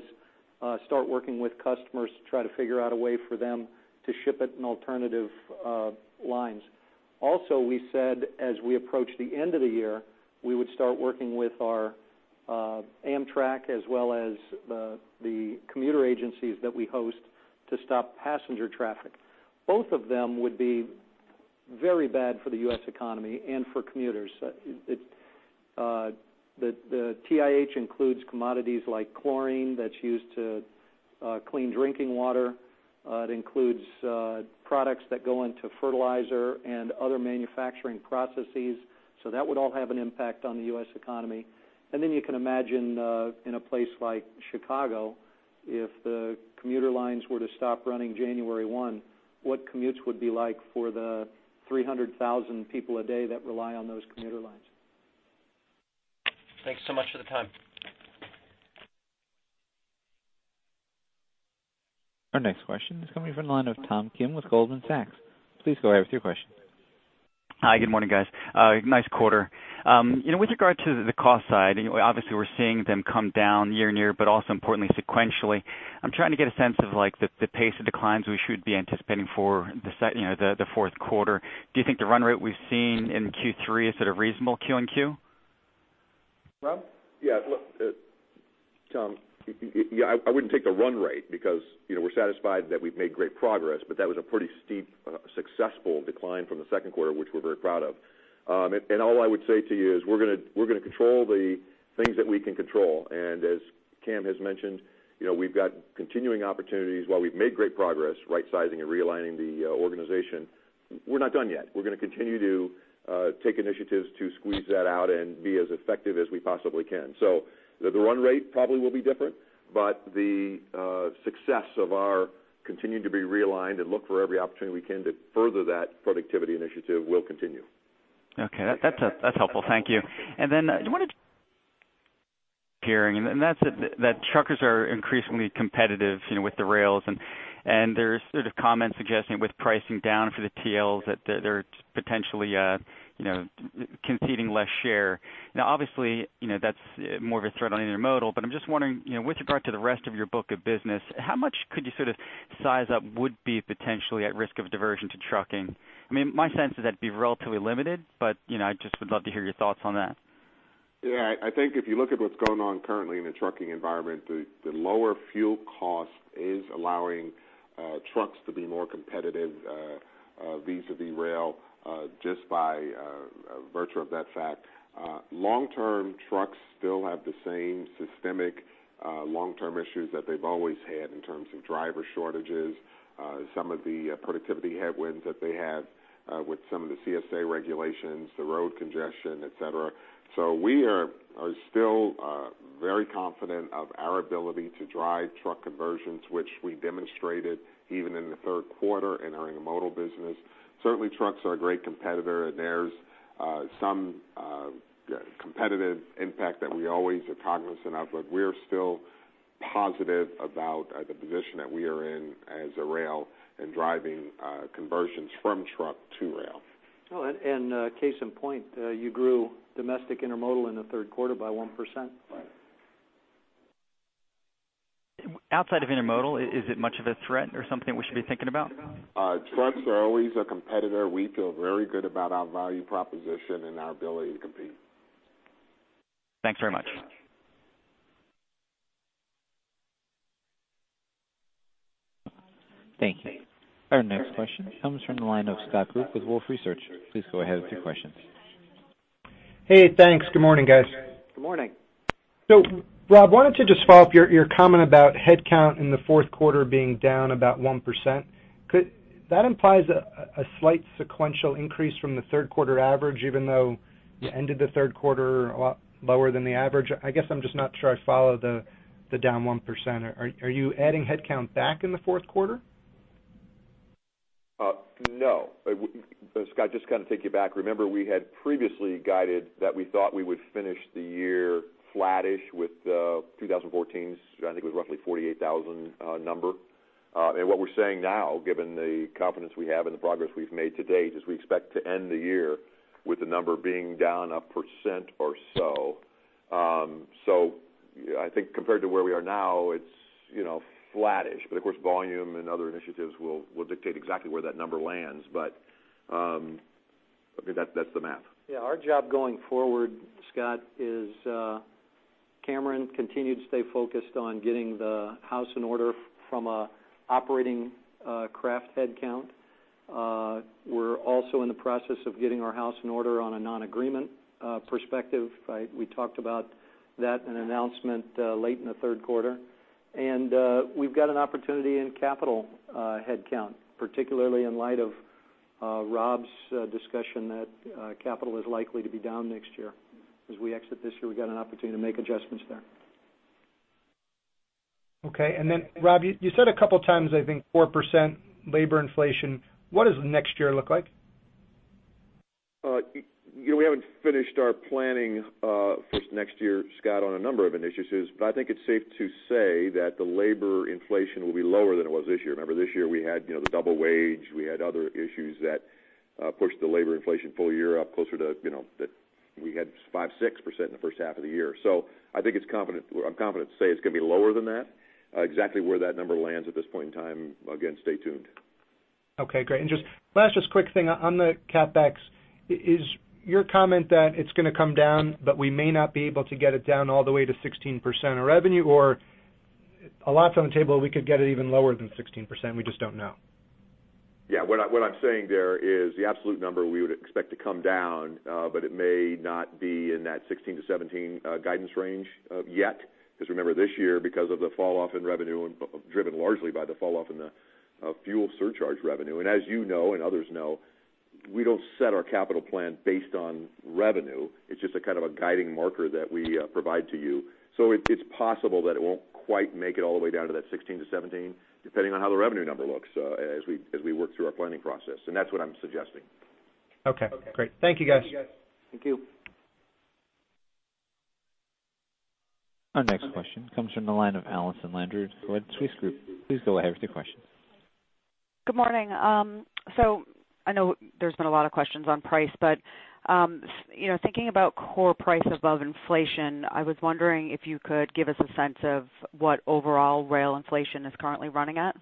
Speaker 2: start working with customers to try to figure out a way for them to ship it in alternative lines. Also, we said, as we approach the end of the year, we would start working with our Amtrak as well as the commuter agencies that we host to stop passenger traffic. Both of them would be very bad for the U.S. economy and for commuters. The TIH includes commodities like chlorine, that's used to clean drinking water. It includes products that go into fertilizer and other manufacturing processes. That would all have an impact on the U.S. economy. You can imagine, in a place like Chicago, if the commuter lines were to stop running January 1, what commutes would be like for the 300,000 people a day that rely on those commuter lines.
Speaker 10: Thanks so much for the time.
Speaker 1: Our next question is coming in from the line of Tom Kim with Goldman Sachs. Please go ahead with your question.
Speaker 11: Hi, good morning, guys. Nice quarter. With regard to the cost side, obviously, we're seeing them come down year-over-year, importantly, sequentially. I'm trying to get a sense of the pace of declines we should be anticipating for the fourth quarter. Do you think the run rate we've seen in Q3, is it a reasonable quarter-over-quarter?
Speaker 2: Rob?
Speaker 5: Look, Tom, I wouldn't take the run rate because we're satisfied that we've made great progress. That was a pretty steep, successful decline from the second quarter, which we're very proud of. All I would say to you is we're going to control the things that we can control, as Cam has mentioned, we've got continuing opportunities while we've made great progress rightsizing and realigning the organization, we're not done yet. We're going to continue to take initiatives to squeeze that out and be as effective as we possibly can. The run rate probably will be different, the success of our continuing to be realigned and look for every opportunity we can to further that productivity initiative will continue.
Speaker 11: Okay. That's helpful. Thank you. I'm hearing that truckers are increasingly competitive with the rails, and there's sort of comments suggesting with pricing down for the TLs that they're potentially conceding less share. Obviously, that's more of a threat on intermodal, I'm just wondering, with regard to the rest of your book of business, how much could you size up would be potentially at risk of diversion to trucking? My sense is that'd be relatively limited, I just would love to hear your thoughts on that.
Speaker 3: I think if you look at what's going on currently in the trucking environment, the lower fuel cost is allowing trucks to be more competitive vis-à-vis rail, just by virtue of that fact. Long-term, trucks still have the same systemic long-term issues that they've always had in terms of driver shortages. Some of the productivity headwinds that they had, with some of the CSA regulations, the road congestion, et cetera. We are still very confident of our ability to drive truck conversions, which we demonstrated even in the third quarter in our intermodal business. Certainly, trucks are a great competitor and there's some competitive impact that we always are cognizant of, we're still positive about the position that we are in as a rail in driving conversions from truck to rail.
Speaker 2: case in point, you grew domestic intermodal in the third quarter by 1%.
Speaker 3: Right.
Speaker 11: Outside of intermodal, is it much of a threat or something we should be thinking about?
Speaker 3: Trucks are always a competitor. We feel very good about our value proposition and our ability to compete.
Speaker 11: Thanks very much.
Speaker 1: Thank you. Our next question comes from the line of Scott Group with Wolfe Research. Please go ahead with your questions.
Speaker 12: Hey, thanks. Good morning, guys.
Speaker 2: Good morning.
Speaker 12: Rob, why don't you just follow up your comment about headcount in the fourth quarter being down about 1%? That implies a slight sequential increase from the third quarter average, even though you ended the third quarter a lot lower than the average. I guess I'm just not sure I follow the down 1%. Are you adding headcount back in the fourth quarter?
Speaker 5: Scott, just to take you back, remember we had previously guided that we thought we would finish the year flattish with 2014's, I think it was roughly 48,000 number. What we're saying now, given the confidence we have and the progress we've made to date, is we expect to end the year with the number being down 1% or so. I think compared to where we are now, it's flattish. Of course, volume and other initiatives will dictate exactly where that number lands. That's the math.
Speaker 2: Our job going forward, Scott, is Cameron continued to stay focused on getting the house in order from a operating craft headcount. We're also in the process of getting our house in order on a non-agreement perspective. We talked about that in an announcement late in the third quarter. We've got an opportunity in capital headcount, particularly in light of Rob's discussion that capital is likely to be down next year. As we exit this year, we've got an opportunity to make adjustments there.
Speaker 12: Rob, you said a couple of times, I think 4% labor inflation. What does next year look like?
Speaker 5: We haven't finished our planning for next year, Scott, on a number of initiatives, but I think it's safe to say that the labor inflation will be lower than it was this year. Remember, this year we had the double wage. We had other issues that pushed the labor inflation full year up closer to, we had 5%, 6% in the first half of the year. I think I'm confident to say it's going to be lower than that. Exactly where that number lands at this point in time, again, stay tuned.
Speaker 12: Okay, great. Just last, just quick thing on the CapEx. Is your comment that it's going to come down, but we may not be able to get it down all the way to 16% of revenue, or a lot's on the table, we could get it even lower than 16%, we just don't know?
Speaker 5: Yeah. What I'm saying there is the absolute number we would expect to come down, but it may not be in that 16 to 17 guidance range yet, because remember, this year, because of the falloff in revenue, driven largely by the falloff in the fuel surcharge revenue, as you know, and others know, we don't set our capital plan based on revenue. It's just a kind of a guiding marker that we provide to you. It's possible that it won't quite make it all the way down to that 16 to 17, depending on how the revenue number looks as we work through our planning process. That's what I'm suggesting.
Speaker 12: Okay, great. Thank you, guys.
Speaker 2: Thank you.
Speaker 1: Our next question comes from the line of Allison Landry with Credit Suisse. Please go ahead with your question.
Speaker 13: Good morning. I know there's been a lot of questions on price, thinking about core price above inflation, I was wondering if you could give us a sense of what overall rail inflation is currently running at.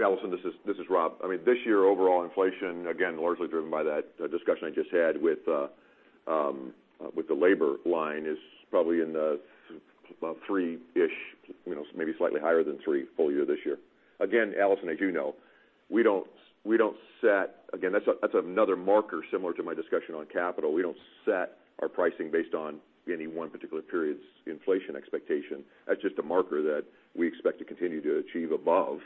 Speaker 5: Allison, this is Rob. This year, overall inflation, again, largely driven by that discussion I just had with the labor line, is probably in the three-ish, maybe slightly higher than three full year this year. Again, Allison, as you know, that's another marker similar to my discussion on capital. We don't set our pricing based on any one particular period's inflation expectation. That's just a marker that we expect to continue to achieve above.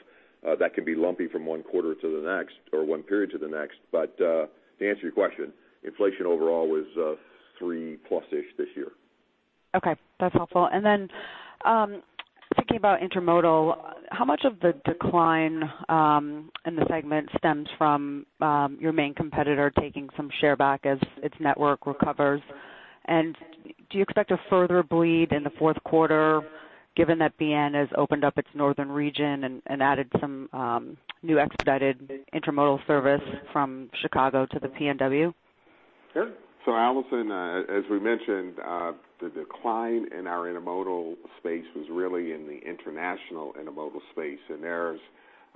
Speaker 5: That can be lumpy from one quarter to the next or one period to the next. To answer your question, inflation overall was three+ this year.
Speaker 13: Okay, that's helpful. Then, thinking about intermodal, how much of the decline in the segment stems from your main competitor taking some share back as its network recovers? Do you expect a further bleed in the fourth quarter given that BNSF has opened up its northern region and added some new expedited intermodal service from Chicago to the PNW?
Speaker 3: Sure. Allison, as we mentioned, the decline in our intermodal space was really in the international intermodal space. There's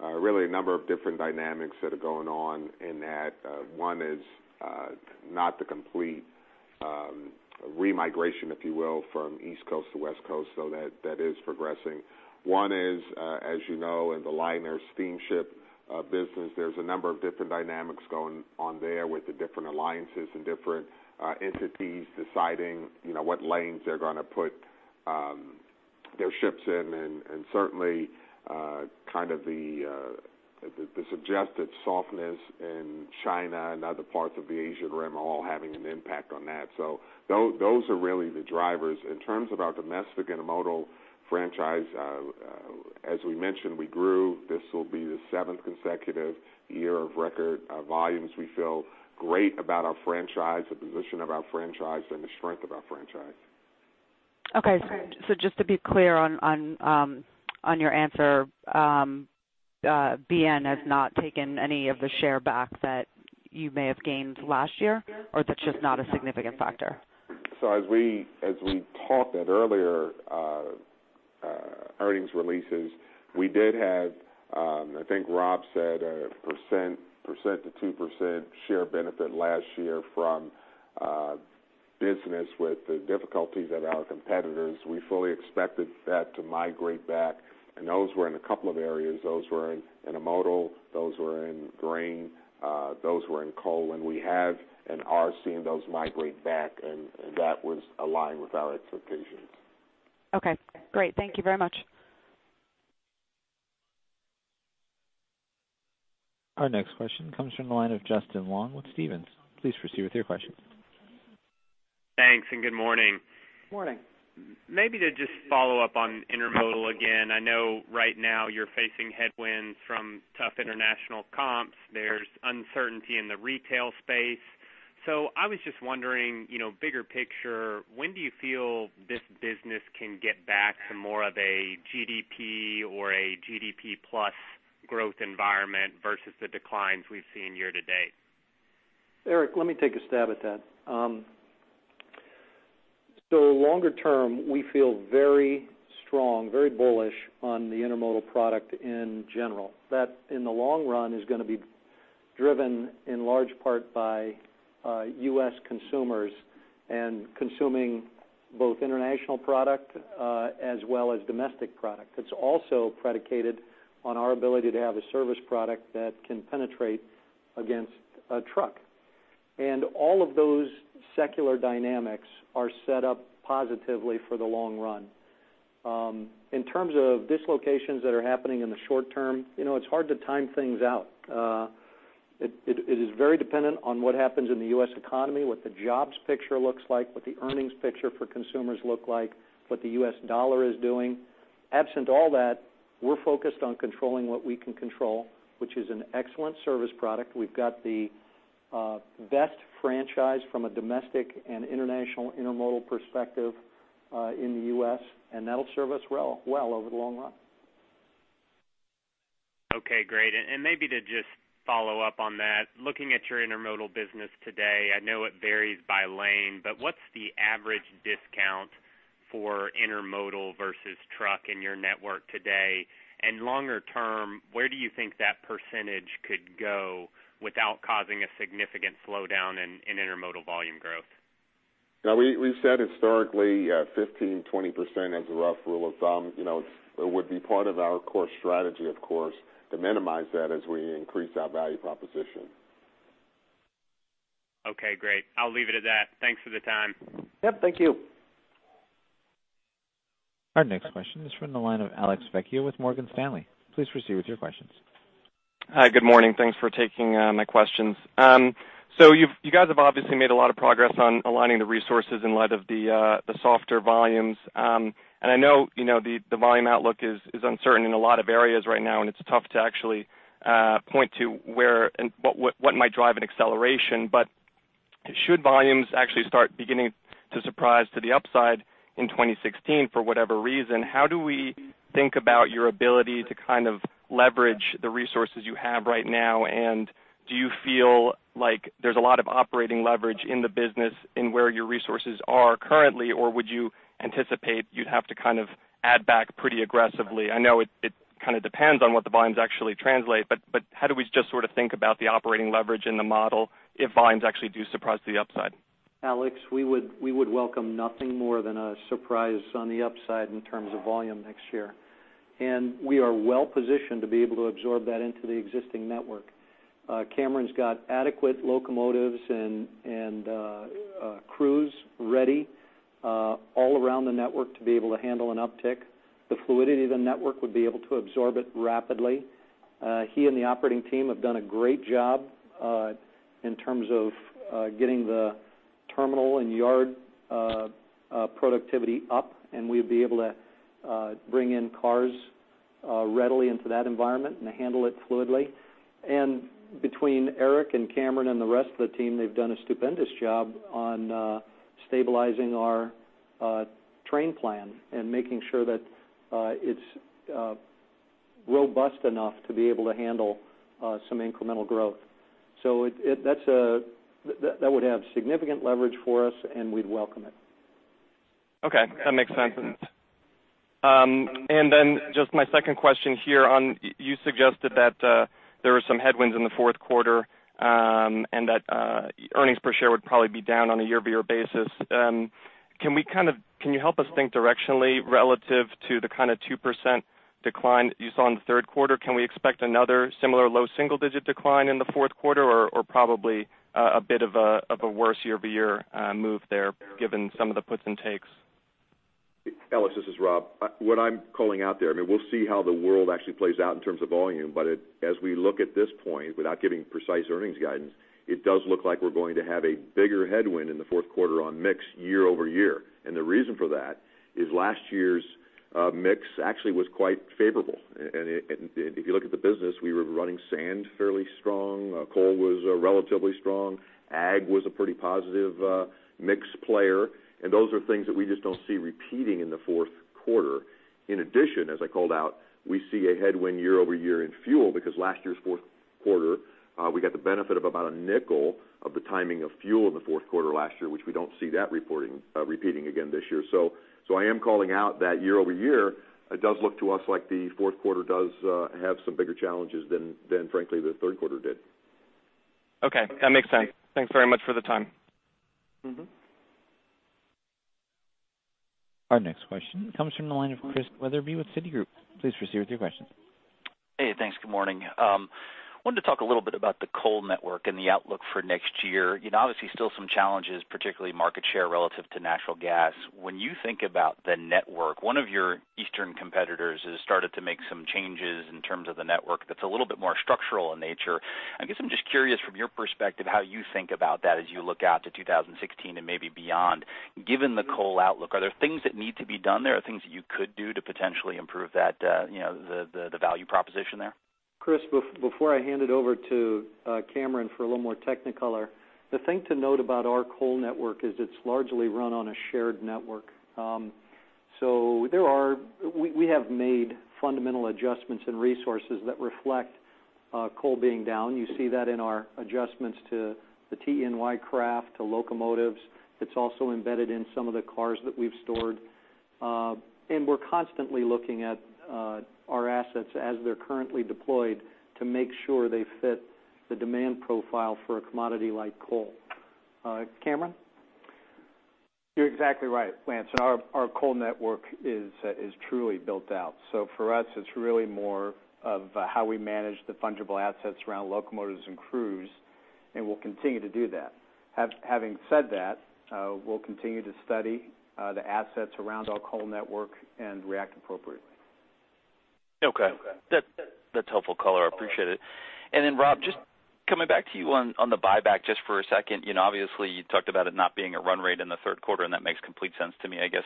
Speaker 3: really a number of different dynamics that are going on in that. One is not the complete remigration, if you will, from East Coast to West Coast. That is progressing. One is, as you know, in the liner steamship business, there's a number of different dynamics going on there with the different alliances and different entities deciding what lanes they're going to put their ships in. Certainly the suggested softness in China and other parts of the Asian Rim are all having an impact on that. Those are really the drivers. In terms of our domestic intermodal franchise, as we mentioned, we grew. This will be the seventh consecutive year of record volumes. We feel great about our franchise, the position of our franchise, and the strength of our franchise.
Speaker 13: Okay. Just to be clear on your answer, BNSF has not taken any of the share back that you may have gained last year, or that's just not a significant factor?
Speaker 3: As we talked at earlier earnings releases, we did have, I think Rob said, 1%-2% share benefit last year from business with the difficulties at our competitors. We fully expected that to migrate back. Those were in a couple of areas. Those were in intermodal, those were in grain, those were in coal. We have and are seeing those migrate back. That was aligned with our expectations.
Speaker 13: Okay, great. Thank you very much.
Speaker 1: Our next question comes from the line of Justin Long with Stephens. Please proceed with your questions.
Speaker 14: Thanks, good morning.
Speaker 2: Morning.
Speaker 14: Maybe to just follow up on intermodal again. I know right now you're facing headwinds from tough international comps. There's uncertainty in the retail space. I was just wondering, bigger picture, when do you feel this business can get back to more of a GDP or a GDP plus growth environment versus the declines we've seen year to date?
Speaker 2: Erik, let me take a stab at that. Longer term, we feel very strong, very bullish on the intermodal product in general. That, in the long run, is going to be driven in large part by U.S. consumers and consuming both international product as well as domestic product. It's also predicated on our ability to have a service product that can penetrate against a truck. All of those secular dynamics are set up positively for the long run. In terms of dislocations that are happening in the short term, it's hard to time things out. It is very dependent on what happens in the U.S. economy, what the jobs picture looks like, what the earnings picture for consumers look like, what the U.S. dollar is doing. Absent all that, we're focused on controlling what we can control, which is an excellent service product. We've got the best franchise from a domestic and international intermodal perspective in the U.S., that'll serve us well over the long run.
Speaker 14: Okay, great. Maybe to just follow up on that, looking at your intermodal business today, I know it varies by lane, but what's the average discount for intermodal versus truck in your network today? Longer term, where do you think that percentage could go without causing a significant slowdown in intermodal volume growth?
Speaker 5: Now we've said historically, 15%-20% as a rough rule of thumb. It would be part of our core strategy, of course, to minimize that as we increase our value proposition.
Speaker 14: Okay, great. I'll leave it at that. Thanks for the time.
Speaker 2: Yep, thank you.
Speaker 1: Our next question is from the line of Alex Vecchio with Morgan Stanley. Please proceed with your questions.
Speaker 15: Hi. Good morning. Thanks for taking my questions. You guys have obviously made a lot of progress on aligning the resources in light of the softer volumes. I know the volume outlook is uncertain in a lot of areas right now, and it's tough to actually point to what might drive an acceleration. Should volumes actually start beginning to surprise to the upside in 2016 for whatever reason, how do we think about your ability to leverage the resources you have right now, and do you feel like there's a lot of operating leverage in the business in where your resources are currently, or would you anticipate you'd have to add back pretty aggressively? I know it depends on what the volumes actually translate, but how do we just sort of think about the operating leverage in the model if volumes actually do surprise to the upside?
Speaker 2: Alex, we would welcome nothing more than a surprise on the upside in terms of volume next year. We are well positioned to be able to absorb that into the existing network. Cameron's got adequate locomotives and crews ready all around the network to be able to handle an uptick. The fluidity of the network would be able to absorb it rapidly. He and the operating team have done a great job in terms of getting the terminal and yard productivity up, and we'd be able to bring in cars readily into that environment and handle it fluidly. Between Eric and Cameron and the rest of the team, they've done a stupendous job on stabilizing our train plan and making sure that it's robust enough to be able to handle some incremental growth. That would have significant leverage for us, and we'd welcome it.
Speaker 15: Okay. That makes sense. Just my second question here on, you suggested that there were some headwinds in the fourth quarter, and that earnings per share would probably be down on a year-over-year basis. Can you help us think directionally relative to the kind of 2% decline that you saw in the third quarter? Can we expect another similar low single-digit decline in the fourth quarter or probably a bit of a worse year-over-year move there given some of the puts and takes?
Speaker 5: Alex, this is Rob. What I'm calling out there, I mean, we'll see how the world actually plays out in terms of volume. As we look at this point, without giving precise earnings guidance, it does look like we're going to have a bigger headwind in the fourth quarter on mix year-over-year. The reason for that is last year's mix actually was quite favorable. If you look at the business, we were running sand fairly strong, coal was relatively strong, ag was a pretty positive mix player, and those are things that we just don't see repeating in the fourth quarter. In addition, as I called out, we see a headwind year-over-year in fuel because last year's fourth quarter, we got the benefit of about $0.05 of the timing of fuel in the fourth quarter last year, which we don't see that repeating again this year. I am calling out that year-over-year, it does look to us like the fourth quarter does have some bigger challenges than frankly, the third quarter did.
Speaker 15: Okay. That makes sense. Thanks very much for the time.
Speaker 1: Our next question comes from the line of Chris Wetherbee with Citigroup. Please proceed with your questions.
Speaker 16: Hey, thanks. Good morning. I wanted to talk a little bit about the coal network and the outlook for next year. Obviously, still some challenges, particularly market share relative to natural gas. When you think about the network, one of your eastern competitors has started to make some changes in terms of the network that's a little bit more structural in nature. I guess I'm just curious from your perspective, how you think about that as you look out to 2016 and maybe beyond, given the coal outlook. Are there things that need to be done there, or things that you could do to potentially improve the value proposition there?
Speaker 2: Chris, before I hand it over to Cameron for a little more technical color, the thing to note about our coal network is it's largely run on a shared network. We have made fundamental adjustments and resources that reflect coal being down. You see that in our adjustments to the TE&Y craft, to locomotives. It's also embedded in some of the cars that we've stored. We're constantly looking at our assets as they're currently deployed to make sure they fit the demand profile for a commodity like coal. Cameron?
Speaker 4: You're exactly right, Lance. Our coal network is truly built out. For us, it's really more of how we manage the fungible assets around locomotives and crews, and we'll continue to do that. Having said that, we'll continue to study the assets around our coal network and react appropriately.
Speaker 16: Okay. That's helpful color. I appreciate it. Rob, just coming back to you on the buyback just for a second. Obviously, you talked about it not being a run rate in the third quarter, and that makes complete sense to me. I guess,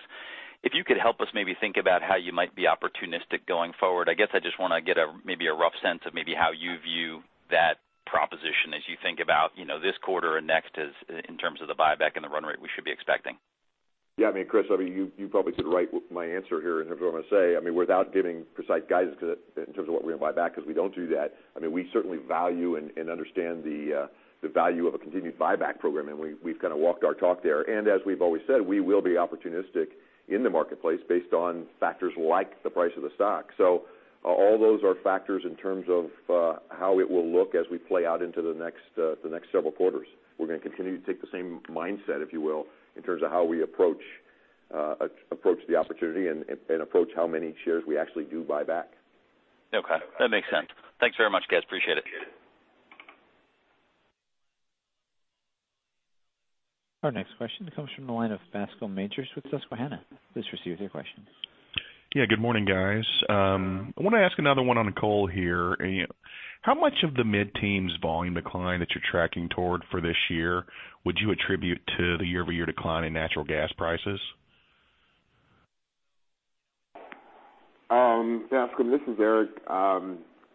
Speaker 16: if you could help us maybe think about how you might be opportunistic going forward. I guess I just want to get maybe a rough sense of maybe how you view that proposition as you think about this quarter and next, in terms of the buyback and the run rate we should be expecting.
Speaker 5: Yeah, Chris, you probably could write my answer here in terms of what I'm going to say. Without giving precise guidance in terms of what we're going to buy back because we don't do that, we certainly value and understand the value of a continued buyback program, and we've kind of walked our talk there. As we've always said, we will be opportunistic in the marketplace based on factors like the price of the stock. All those are factors in terms of how it will look as we play out into the next several quarters. We're going to continue to take the same mindset, if you will, in terms of how we approach the opportunity and approach how many shares we actually do buy back.
Speaker 16: Okay. That makes sense. Thanks very much, guys. Appreciate it.
Speaker 1: Our next question comes from the line of Bascome Majors with Susquehanna. Please proceed with your question.
Speaker 17: Yeah, good morning, guys. I want to ask another one on coal here. How much of the mid-teens volume decline that you're tracking toward for this year would you attribute to the year-over-year decline in natural gas prices?
Speaker 3: Bascom, this is Eric.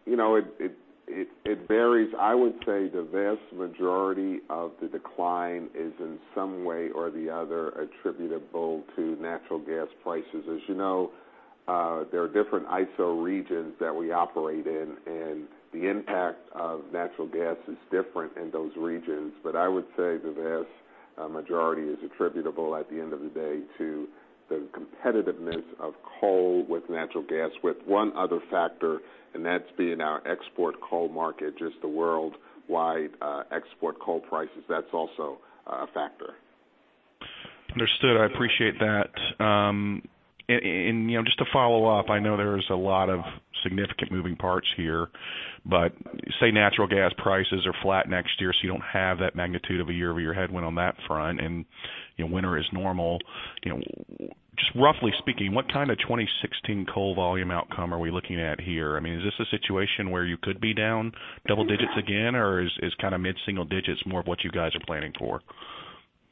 Speaker 3: It varies. I would say the vast majority of the decline is in some way or the other attributable to natural gas prices. As you know, there are different ISO regions that we operate in, the impact of natural gas is different in those regions. I would say the vast majority is attributable, at the end of the day, to the competitiveness of coal with natural gas, with one other factor, that's been our export coal market, just the worldwide export coal prices. That's also a factor.
Speaker 17: Understood. I appreciate that. Just to follow up, I know there's a lot of significant moving parts here, say natural gas prices are flat next year, you don't have that magnitude of a year-over-year headwind on that front and winter is normal. Just roughly speaking, what kind of 2016 coal volume outcome are we looking at here? Is this a situation where you could be down double digits again, or is mid-single digits more of what you guys are planning for?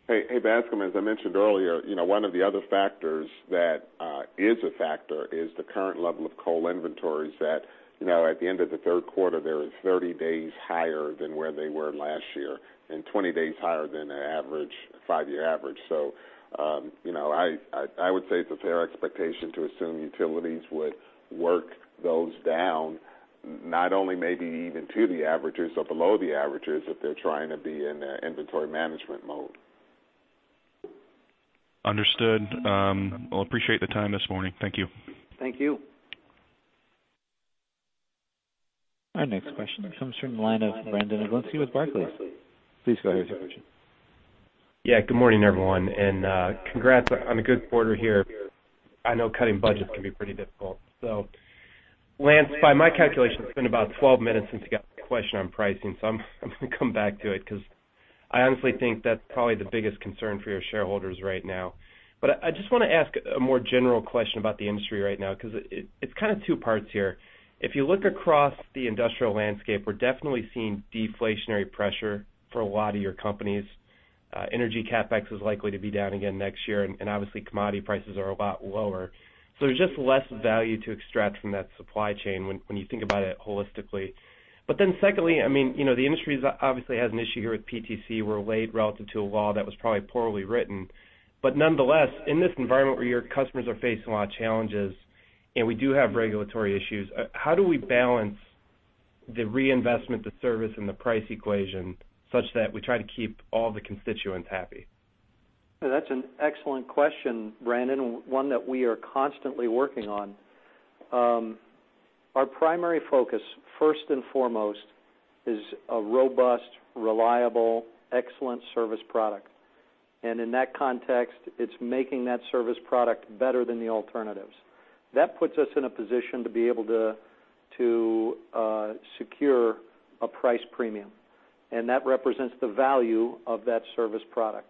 Speaker 3: Hey, Bascom, as I mentioned earlier, one of the other factors that is a factor is the current level of coal inventories that at the end of the third quarter, they're 30 days higher than where they were last year and 20 days higher than the five-year average. I would say it's a fair expectation to assume utilities would work those down, not only maybe even to the averages or below the averages if they're trying to be in their inventory management mode.
Speaker 17: Understood. Appreciate the time this morning. Thank you.
Speaker 3: Thank you.
Speaker 1: Our next question comes from the line of Brandon Oglenski with Barclays. Please go ahead with your question.
Speaker 18: Good morning, everyone, and congrats on a good quarter here. I know cutting budgets can be pretty difficult. Lance, by my calculation, it's been about 12 minutes since you got the question on pricing, so I'm going to come back to it because I honestly think that's probably the biggest concern for your shareholders right now. I just want to ask a more general question about the industry right now, because it's kind of two parts here. If you look across the industrial landscape, we're definitely seeing deflationary pressure for a lot of your companies. Energy CapEx is likely to be down again next year, and obviously commodity prices are a lot lower. There's just less value to extract from that supply chain when you think about it holistically. Secondly, the industry obviously has an issue here with PTC. We're late relative to a law that was probably poorly written. Nonetheless, in this environment where your customers are facing a lot of challenges and we do have regulatory issues, how do we balance the reinvestment, the service, and the price equation such that we try to keep all the constituents happy?
Speaker 2: That's an excellent question, Brandon, one that we are constantly working on. Our primary focus, first and foremost, is a robust, reliable, excellent service product. In that context, it's making that service product better than the alternatives. That puts us in a position to be able to secure a price premium, and that represents the value of that service product.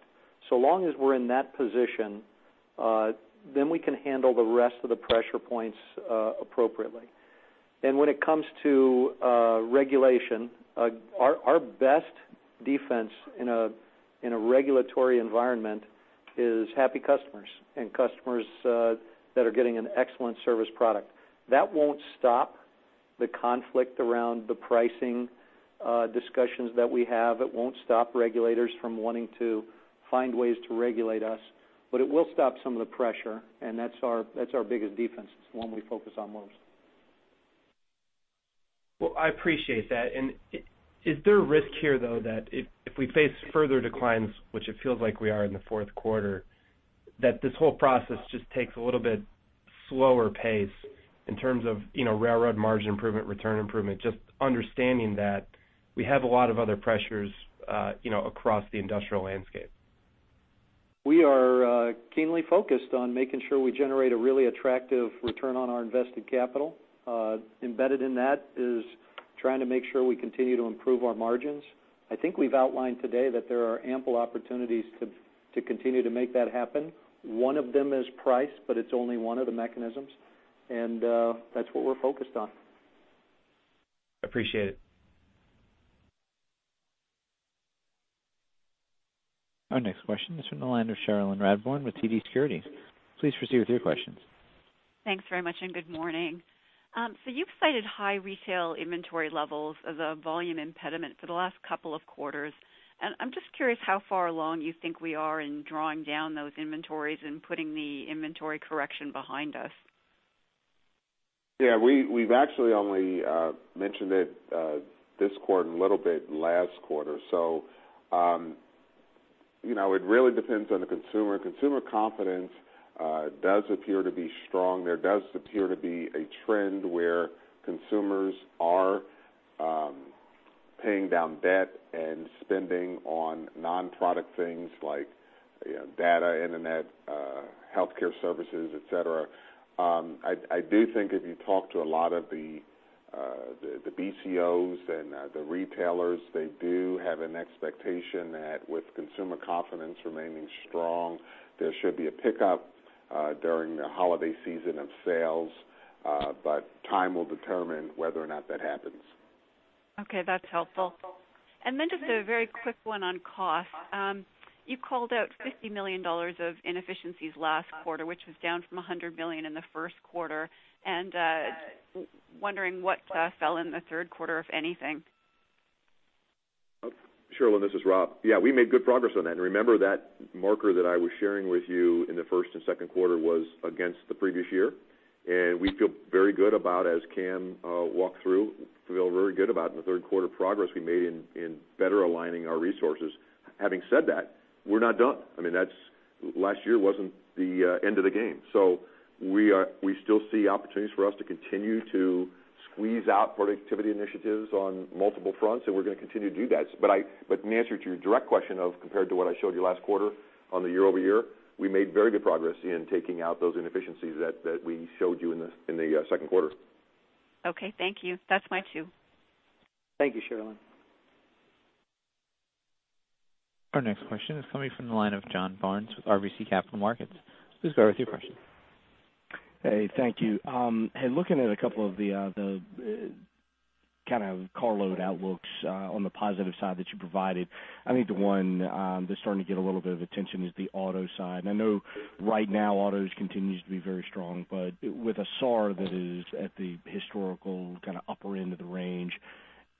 Speaker 2: Long as we're in that position, then we can handle the rest of the pressure points appropriately. When it comes to regulation, our best defense in a regulatory environment is happy customers and customers that are getting an excellent service product. That won't stop the conflict around the pricing discussions that we have. It won't stop regulators from wanting to find ways to regulate us, but it will stop some of the pressure, and that's our biggest defense. It's the one we focus on most.
Speaker 18: Well, I appreciate that. Is there a risk here, though, that if we face further declines, which it feels like we are in the fourth quarter, that this whole process just takes a little bit slower pace in terms of railroad margin improvement, return improvement, just understanding that we have a lot of other pressures across the industrial landscape?
Speaker 2: We are keenly focused on making sure we generate a really attractive return on our invested capital. Embedded in that is trying to make sure we continue to improve our margins. I think we've outlined today that there are ample opportunities to continue to make that happen. One of them is price, but it's only one of the mechanisms, and that's what we're focused on.
Speaker 18: Appreciate it.
Speaker 1: Our next question is from the line of Cherilyn Radbourne with TD Securities. Please proceed with your questions.
Speaker 19: Thanks very much, and good morning. You've cited high retail inventory levels as a volume impediment for the last couple of quarters. I'm just curious how far along you think we are in drawing down those inventories and putting the inventory correction behind us.
Speaker 3: Yeah, we've actually only mentioned it this quarter and a little bit last quarter. It really depends on the consumer. Consumer confidence does appear to be strong. There does appear to be a trend where consumers are paying down debt and spending on non-product things like data, internet, healthcare services, et cetera. I do think if you talk to a lot of the BCOs and the retailers, they do have an expectation that with consumer confidence remaining strong, there should be a pickup during the holiday season of sales. Time will determine whether or not that happens.
Speaker 19: Okay, that's helpful. Just a very quick one on cost. You called out $50 million of inefficiencies last quarter, which was down from $100 million in the first quarter, and wondering what fell in the third quarter, if anything.
Speaker 5: Cherilyn, this is Rob. Yeah, we made good progress on that. Remember that marker that I was sharing with you in the first and second quarter was against the previous year. We feel very good about, as Cam walked through, feel very good about in the third quarter progress we made in better aligning our resources. Having said that, we're not done. Last year wasn't the end of the game. We still see opportunities for us to continue to squeeze out productivity initiatives on multiple fronts, and we're going to continue to do that. In answer to your direct question of compared to what I showed you last quarter on the year-over-year, we made very good progress in taking out those inefficiencies that we showed you in the second quarter.
Speaker 19: Okay, thank you. That's my two.
Speaker 2: Thank you, Cherilyn.
Speaker 1: Our next question is coming from the line of John Barnes with RBC Capital Markets. Please go ahead with your question.
Speaker 20: Hey, thank you. Looking at a couple of the kind of car load outlooks on the positive side that you provided, I think the one that's starting to get a little bit of attention is the auto side. I know right now autos continues to be very strong, but with a SAAR that is at the historical kind of upper end of the range,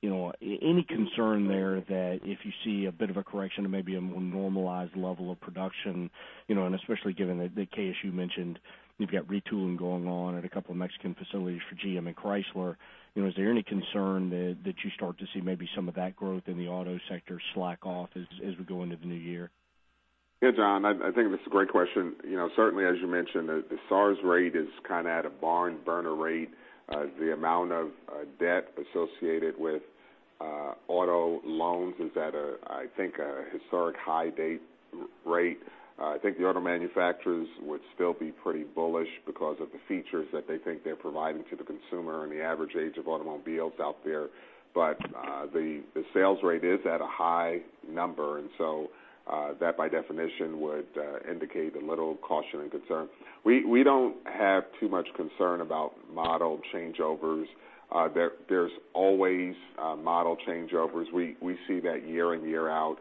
Speaker 20: any concern there that if you see a bit of a correction to maybe a more normalized level of production, especially given the case you mentioned, you've got retooling going on at a couple of Mexican facilities for GM and Chrysler. Is there any concern that you start to see maybe some of that growth in the auto sector slack off as we go into the new year?
Speaker 3: Yeah, John, I think that's a great question. Certainly, as you mentioned, the SAAR's rate is kind of at a barn burner rate. The amount of debt associated with auto loans is at, I think, a historic high rate. I think the auto manufacturers would still be pretty bullish because of the features that they think they're providing to the consumer and the average age of automobiles out there. The sales rate is at a high number, and so that, by definition, would indicate a little caution and concern. We don't have too much concern about model changeovers. There's always model changeovers. We see that year in, year out.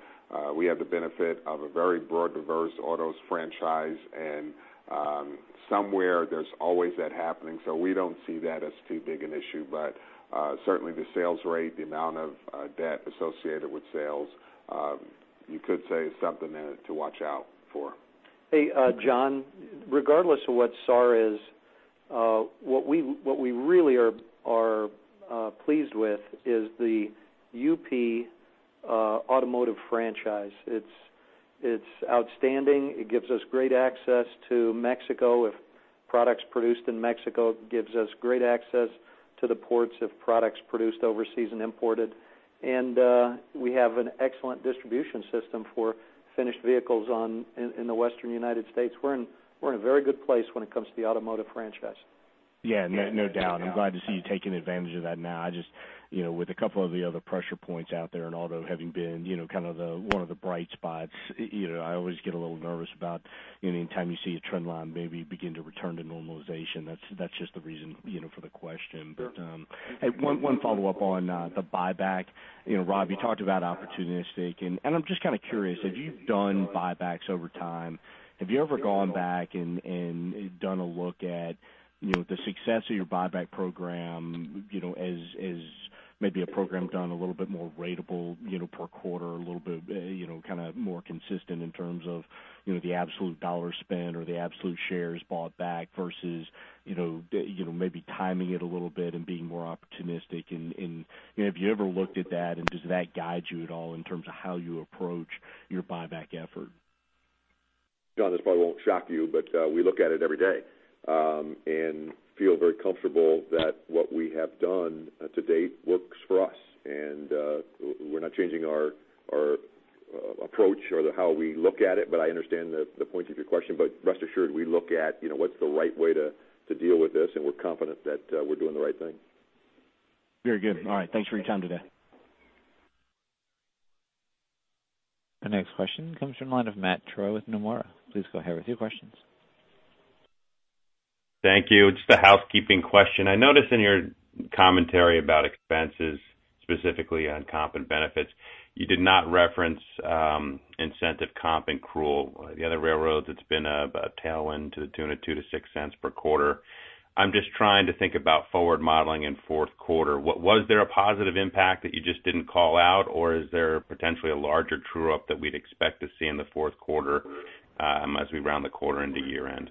Speaker 3: We have the benefit of a very broad, diverse autos franchise, and somewhere there's always that happening. We don't see that as too big an issue. Certainly, the sales rate, the amount of debt associated with sales, you could say is something there to watch out for.
Speaker 2: Hey, John, regardless of what SAAR is, what we really are pleased with is the UP automotive franchise. It's outstanding. It gives us great access to Mexico for products produced in Mexico, gives us great access to the ports of products produced overseas and imported. We have an excellent distribution system for finished vehicles in the Western U.S. We're in a very good place when it comes to the automotive franchise.
Speaker 20: Yeah, no doubt. I'm glad to see you taking advantage of that now. Just with a couple of the other pressure points out there and although having been one of the bright spots, I always get a little nervous about any time you see a trend line maybe begin to return to normalization. That's just the reason for the question. One follow-up on the buyback. Rob, you talked about opportunistic and I'm just curious, as you've done buybacks over time, have you ever gone back and done a look at the success of your buyback program as maybe a program done a little bit more ratable per quarter, a little bit more consistent in terms of the absolute dollar spend or the absolute shares bought back versus maybe timing it a little bit and being more opportunistic and have you ever looked at that and does that guide you at all in terms of how you approach your buyback effort?
Speaker 5: John, this probably won't shock you, we look at it every day, and feel very comfortable that what we have done to date works for us and we're not changing our approach or how we look at it. I understand the point of your question, rest assured, we look at what's the right way to deal with this, and we're confident that we're doing the right thing.
Speaker 20: Very good. All right. Thanks for your time today.
Speaker 1: The next question comes from the line of Matthew Troy with Nomura. Please go ahead with your questions.
Speaker 21: Thank you. Just a housekeeping question. I noticed in your commentary about expenses, specifically on comp and benefits, you did not reference incentive comp and accrual. The other railroads, it's been a tailwind to the tune of $0.02-$0.06 per quarter. I'm just trying to think about forward modeling in fourth quarter. Was there a positive impact that you just didn't call out, or is there potentially a larger true-up that we'd expect to see in the fourth quarter as we round the quarter into year end?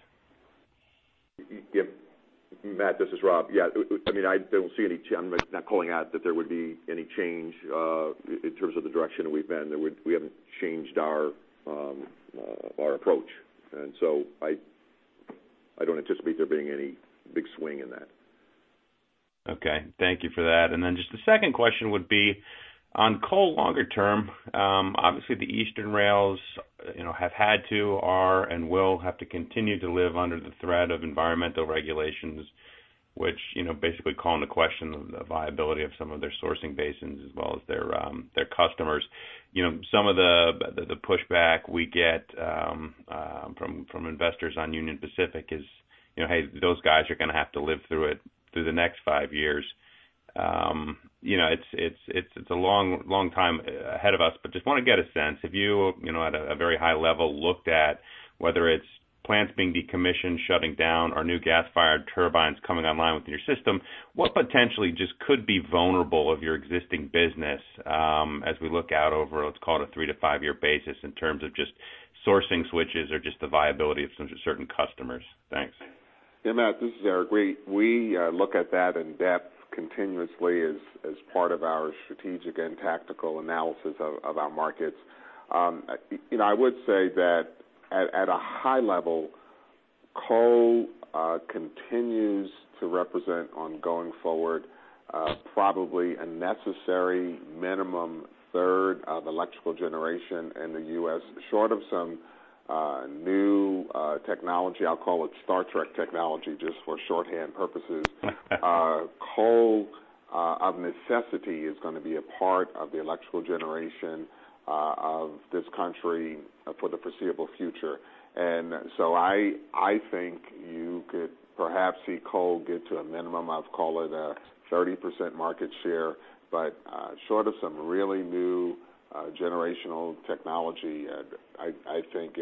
Speaker 5: Matt, this is Rob. Yeah, I'm not calling out that there would be any change in terms of the direction we've been. We haven't changed our approach and so I don't anticipate there being any big swing in that.
Speaker 21: Thank you for that. Just the second question would be on coal longer term, obviously the eastern rails have had to, are, and will have to continue to live under the threat of environmental regulations, which basically call into question the viability of some of their sourcing basins as well as their customers. Some of the pushback we get from investors on Union Pacific is, "Hey, those guys are going to have to live through it through the next five years." It's a long time ahead of us, but just want to get a sense, have you at a very high level looked at whether it's plants being decommissioned, shutting down, or new gas-fired turbines coming online within your system, what potentially just could be vulnerable of your existing business as we look out over, let's call it a three to five year basis in terms of just sourcing switches or just the viability of certain customers? Thanks.
Speaker 3: Yeah, Matt, this is Eric. We look at that in depth continuously as part of our strategic and tactical analysis of our markets. I would say that at a high level, coal continues to represent ongoing forward, probably a necessary minimum third of electrical generation in the U.S., short of some new technology, I'll call it Star Trek technology just for shorthand purposes coal, of necessity, is going to be a part of the electrical generation of this country for the foreseeable future. I think you could perhaps see coal get to a minimum of, call it a 30% market share, but short of some really new generational technology, I think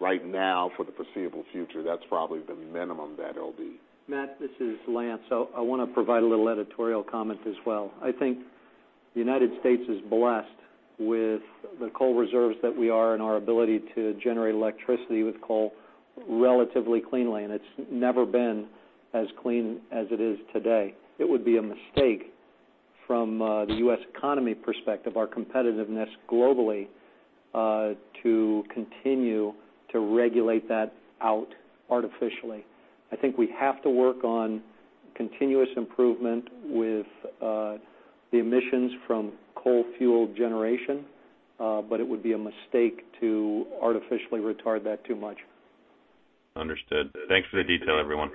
Speaker 3: right now for the foreseeable future, that's probably the minimum that it'll be.
Speaker 2: Matt, this is Lance. I want to provide a little editorial comment as well. I think the United States is blessed with the coal reserves that we are and our ability to generate electricity with coal relatively cleanly, and it's never been as clean as it is today. It would be a mistake from the U.S. economy perspective, our competitiveness globally, to continue to regulate that out artificially. I think we have to work on continuous improvement with the emissions from coal fuel generation, but it would be a mistake to artificially retard that too much.
Speaker 21: Understood. Thanks for the detail, everyone.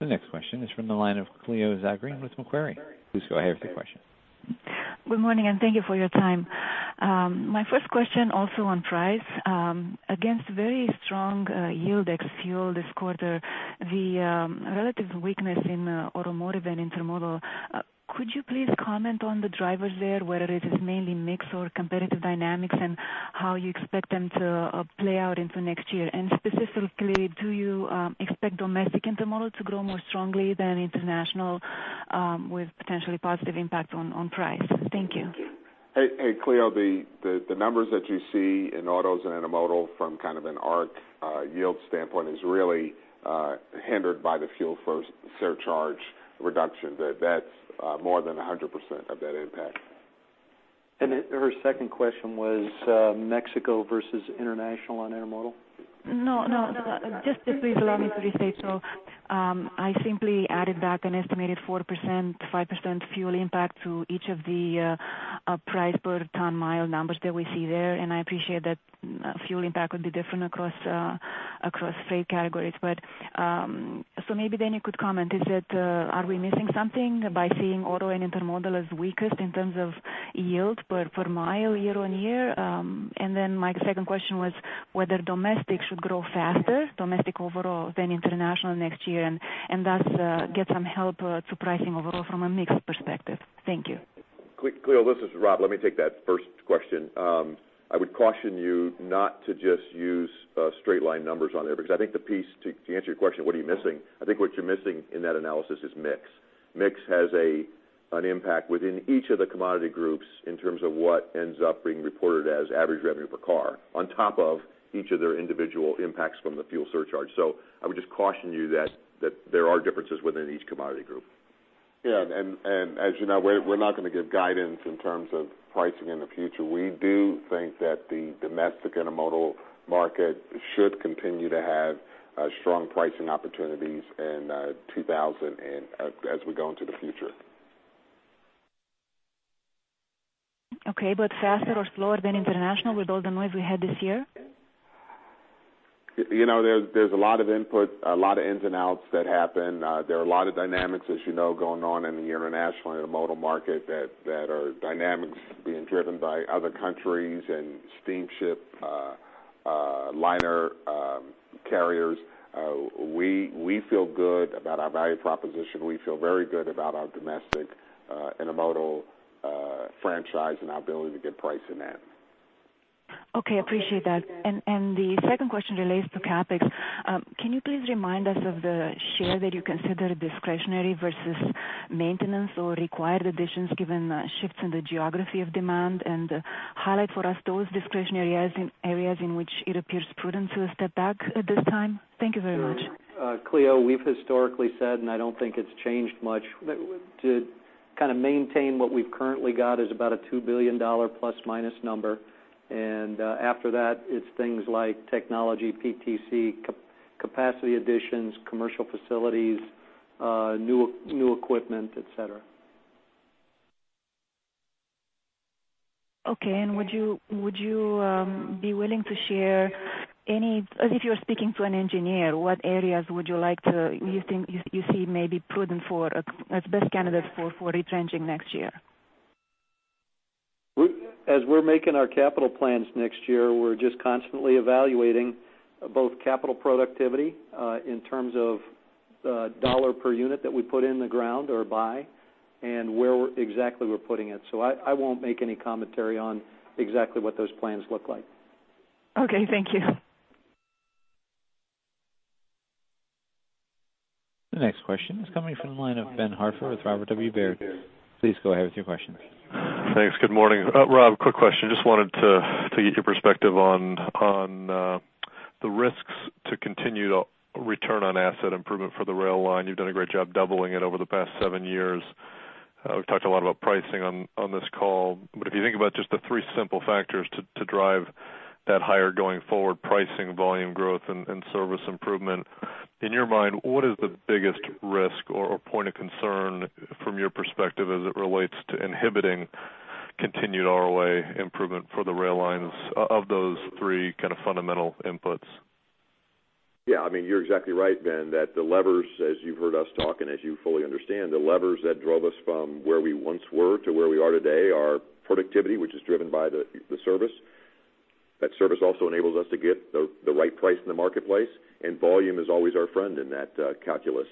Speaker 1: The next question is from the line of Cleo Zagrean with Macquarie. Please go ahead with your question.
Speaker 22: Good morning, thank you for your time. My first question, also on price. Against very strong yield ex fuel this quarter, the relative weakness in automotive and intermodal, could you please comment on the drivers there, whether it is mainly mix or competitive dynamics and how you expect them to play out into next year? Specifically, do you expect domestic intermodal to grow more strongly than international, with potentially positive impact on price? Thank you.
Speaker 3: Hey, Cleo, the numbers that you see in autos and intermodal from kind of an ARC yield standpoint is really hindered by the fuel surcharge reduction. That's more than 100% of that impact.
Speaker 2: Her second question was Mexico versus international on intermodal?
Speaker 22: No. Just please allow me to restate. I simply added back an estimated 4%, 5% fuel impact to each of the price per ton mile numbers that we see there, I appreciate that fuel impact would be different across freight categories. Maybe you could comment, are we missing something by seeing auto and intermodal as weakest in terms of yield per mile year-on-year? My second question was whether domestic should grow faster, domestic overall, than international next year, and thus get some help to pricing overall from a mix perspective. Thank you.
Speaker 5: Cleo, this is Rob. Let me take that first question. I would caution you not to just use straight line numbers on there, I think the piece, to answer your question, what are you missing? I think what you're missing in that analysis is mix. Mix has an impact within each of the commodity groups in terms of what ends up being reported as average revenue per car, on top of each of their individual impacts from the fuel surcharge. I would just caution you that there are differences within each commodity group.
Speaker 3: Yeah, as you know, we're not going to give guidance in terms of pricing in the future. We do think that the domestic intermodal market should continue to have strong pricing opportunities in 2000 as we go into the future.
Speaker 22: Okay, faster or slower than international with all the noise we had this year?
Speaker 3: There's a lot of input, a lot of ins and outs that happen. There are a lot of dynamics, as you know, going on in the international intermodal market that are dynamics being driven by other countries and steamship liner carriers. We feel good about our value proposition. We feel very good about our domestic intermodal franchise and our ability to get price in that.
Speaker 22: Okay, appreciate that. The second question relates to CapEx. Can you please remind us of the share that you consider discretionary versus maintenance or required additions given shifts in the geography of demand and highlight for us those discretionary areas in which it appears prudent to step back at this time? Thank you very much.
Speaker 2: Sure. Cleo, we've historically said, and I don't think it's changed much, to maintain what we've currently got is about a $2 billion ± number, and after that, it's things like technology, PTC, capacity additions, commercial facilities, new equipment, et cetera.
Speaker 22: Okay, would you be willing to share any, as if you're speaking to an engineer, what areas would you like to, you think you see may be prudent for, as best candidate for retrenching next year?
Speaker 2: As we're making our capital plans next year, we're just constantly evaluating both capital productivity in terms of $ per unit that we put in the ground or buy and where exactly we're putting it. I won't make any commentary on exactly what those plans look like.
Speaker 22: Okay. Thank you.
Speaker 1: The next question is coming from the line of Ben Hartford with Robert W. Baird. Please go ahead with your questions.
Speaker 23: Thanks. Good morning. Rob, quick question. Just wanted to get your perspective on the risks to continued return on asset improvement for the rail line. You've done a great job doubling it over the past seven years. We've talked a lot about pricing on this call, but if you think about just the three simple factors to drive that higher going forward, pricing, volume growth, and service improvement, in your mind, what is the biggest risk or point of concern from your perspective as it relates to inhibiting continued ROA improvement for the rail lines of those three kind of fundamental inputs?
Speaker 5: Yeah, you're exactly right, Ben, that the levers, as you've heard us talk and as you fully understand, the levers that drove us from where we once were to where we are today are productivity, which is driven by the service. That service also enables us to get the right price in the marketplace, and volume is always our friend in that calculus.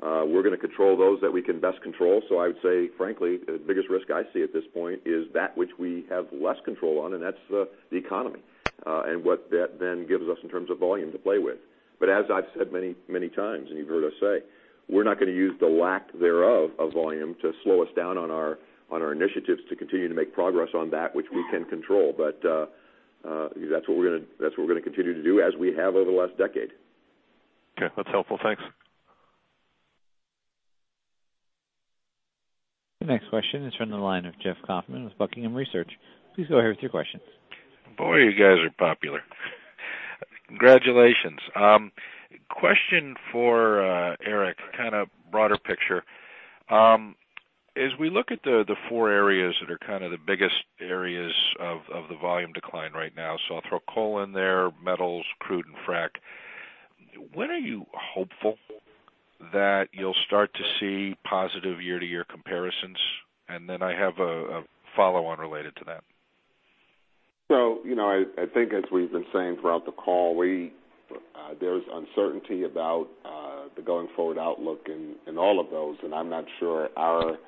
Speaker 5: We're going to control those that we can best control. I would say, frankly, the biggest risk I see at this point is that which we have less control on, and that's the economy and what that then gives us in terms of volume to play with. As I've said many times, and you've heard us say, we're not going to use the lack thereof of volume to slow us down on our initiatives to continue to make progress on that which we can control. That's what we're going to continue to do as we have over the last decade.
Speaker 23: Okay. That's helpful. Thanks.
Speaker 1: The next question is from the line of Jeff Kauffman with Buckingham Research. Please go ahead with your questions.
Speaker 24: Boy, you guys are popular. Congratulations. Question for Eric, kind of broader picture. As we look at the four areas that are kind of the biggest areas of the volume decline right now, so I'll throw coal in there, metals, crude, and frack, when are you hopeful that you'll start to see positive year-over-year comparisons? I have a follow-on related to that.
Speaker 3: I think as we've been saying throughout the call, there's uncertainty about the going forward outlook in all of those, and I'm not sure our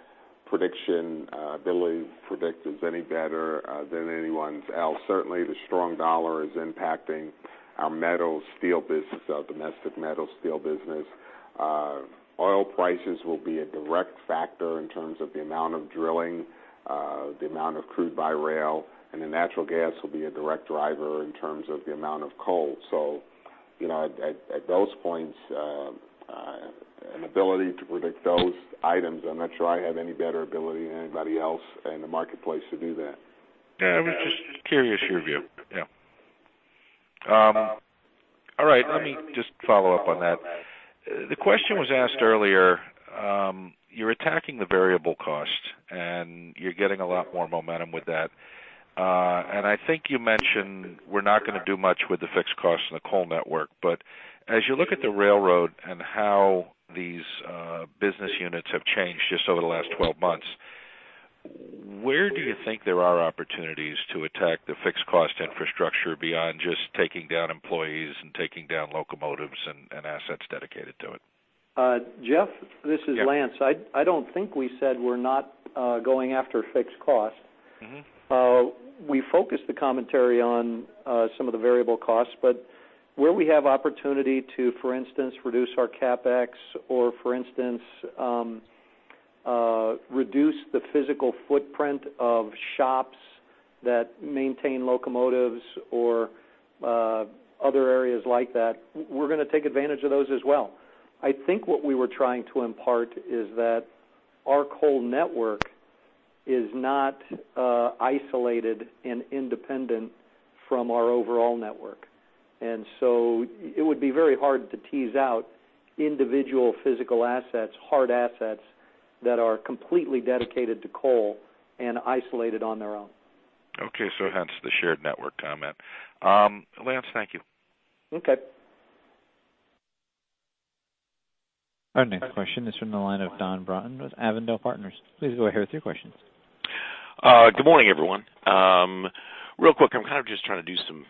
Speaker 3: prediction ability to predict is any better than anyone's else. Certainly, the strong dollar is impacting our metals, steel business, our domestic metal steel business. Oil prices will be a direct factor in terms of the amount of drilling, the amount of crude-by-rail, natural gas will be a direct driver in terms of the amount of coal. At those points, an ability to predict those items, I'm not sure I have any better ability than anybody else in the marketplace to do that.
Speaker 24: Yeah. I was just curious your view. Yeah. All right. Let me just follow up on that. The question was asked earlier, you're attacking the variable cost, and you're getting a lot more momentum with that. I think you mentioned we're not going to do much with the fixed cost in the coal network. As you look at the railroad and how these business units have changed just over the last 12 months, where do you think there are opportunities to attack the fixed cost infrastructure beyond just taking down employees and taking down locomotives and assets dedicated to it?
Speaker 2: Jeff, this is Lance.
Speaker 24: Yeah.
Speaker 2: I don't think we said we're not going after fixed cost. We focused the commentary on some of the variable costs, but where we have opportunity to, for instance, reduce our CapEx or, for instance, reduce the physical footprint of shops that maintain locomotives or other areas like that, we're going to take advantage of those as well. I think what we were trying to impart is that our coal network is not isolated and independent from our overall network. It would be very hard to tease out individual physical assets, hard assets that are completely dedicated to coal and isolated on their own.
Speaker 24: Okay. Hence the shared network comment. Lance, thank you.
Speaker 2: Okay.
Speaker 1: Our next question is from the line of Donald Broughton with Avondale Partners. Please go ahead with your questions.
Speaker 25: Good morning, everyone. Real quick, I'm kind of just trying to do some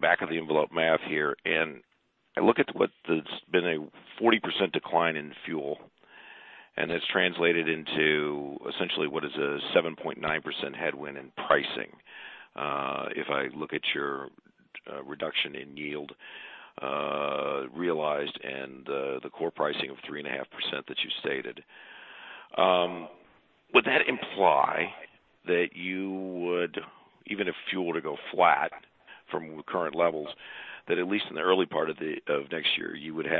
Speaker 25: back of the envelope math here. I look at what has been a 40% decline in fuel, and it's translated into essentially what is a 7.9% headwind in pricing. If I look at your reduction in yield realized and the core pricing of 3.5% that you stated. Would that imply that you would, even if fuel were to go flat from current levels, that at least in the early part of next year, looking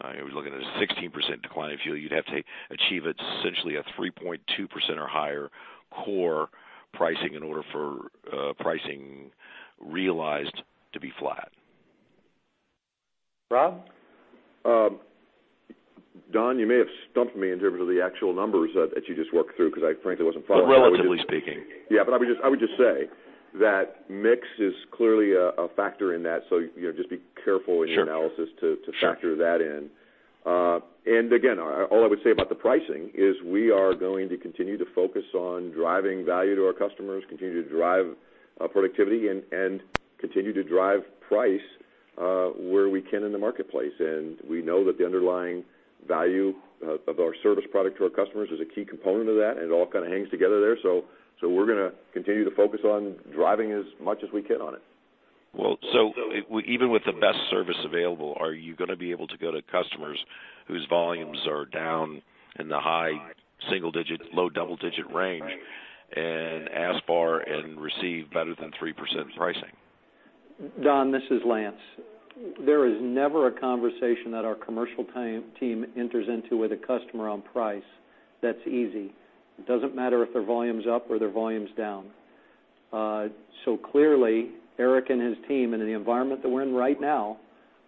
Speaker 25: at a 16% decline in fuel, you'd have to achieve essentially a 3.2% or higher core pricing in order for pricing realized to be flat?
Speaker 2: Rob?
Speaker 5: Don, you may have stumped me in terms of the actual numbers that you just worked through because I frankly wasn't following.
Speaker 25: Well, relatively speaking.
Speaker 5: Yeah. I would just say that mix is clearly a factor in that, just be careful in your analysis to factor that in.
Speaker 25: Sure.
Speaker 5: Again, all I would say about the pricing is we are going to continue to focus on driving value to our customers, continue to drive productivity and continue to drive price where we can in the marketplace. We know that the underlying value of our service product to our customers is a key component of that, and it all kind of hangs together there. We're going to continue to focus on driving as much as we can on it.
Speaker 25: Even with the best service available, are you going to be able to go to customers whose volumes are down in the high single digit, low double digit range and ask for and receive better than 3% pricing?
Speaker 2: Don, this is Lance. There is never a conversation that our commercial team enters into with a customer on price that's easy. It doesn't matter if their volume's up or their volume's down. Clearly, Erik and his team, in the environment that we're in right now,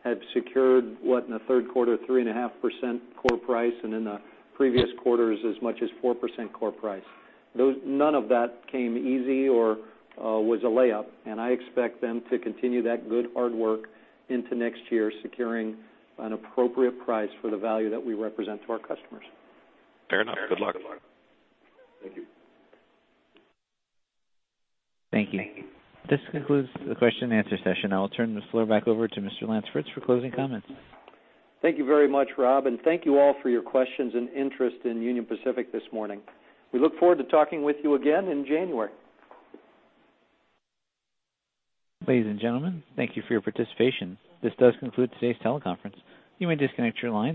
Speaker 2: have secured, what, in the third quarter, 3.5% core price, and in the previous quarters, as much as 4% core price. None of that came easy or was a layup. I expect them to continue that good hard work into next year, securing an appropriate price for the value that we represent to our customers.
Speaker 25: Fair enough. Good luck.
Speaker 5: Thank you.
Speaker 1: Thank you. This concludes the question and answer session. I will turn the floor back over to Mr. Lance Fritz for closing comments.
Speaker 2: Thank you very much, Rob, thank you all for your questions and interest in Union Pacific this morning. We look forward to talking with you again in January.
Speaker 1: Ladies and gentlemen, thank you for your participation. This does conclude today's teleconference. You may disconnect your line.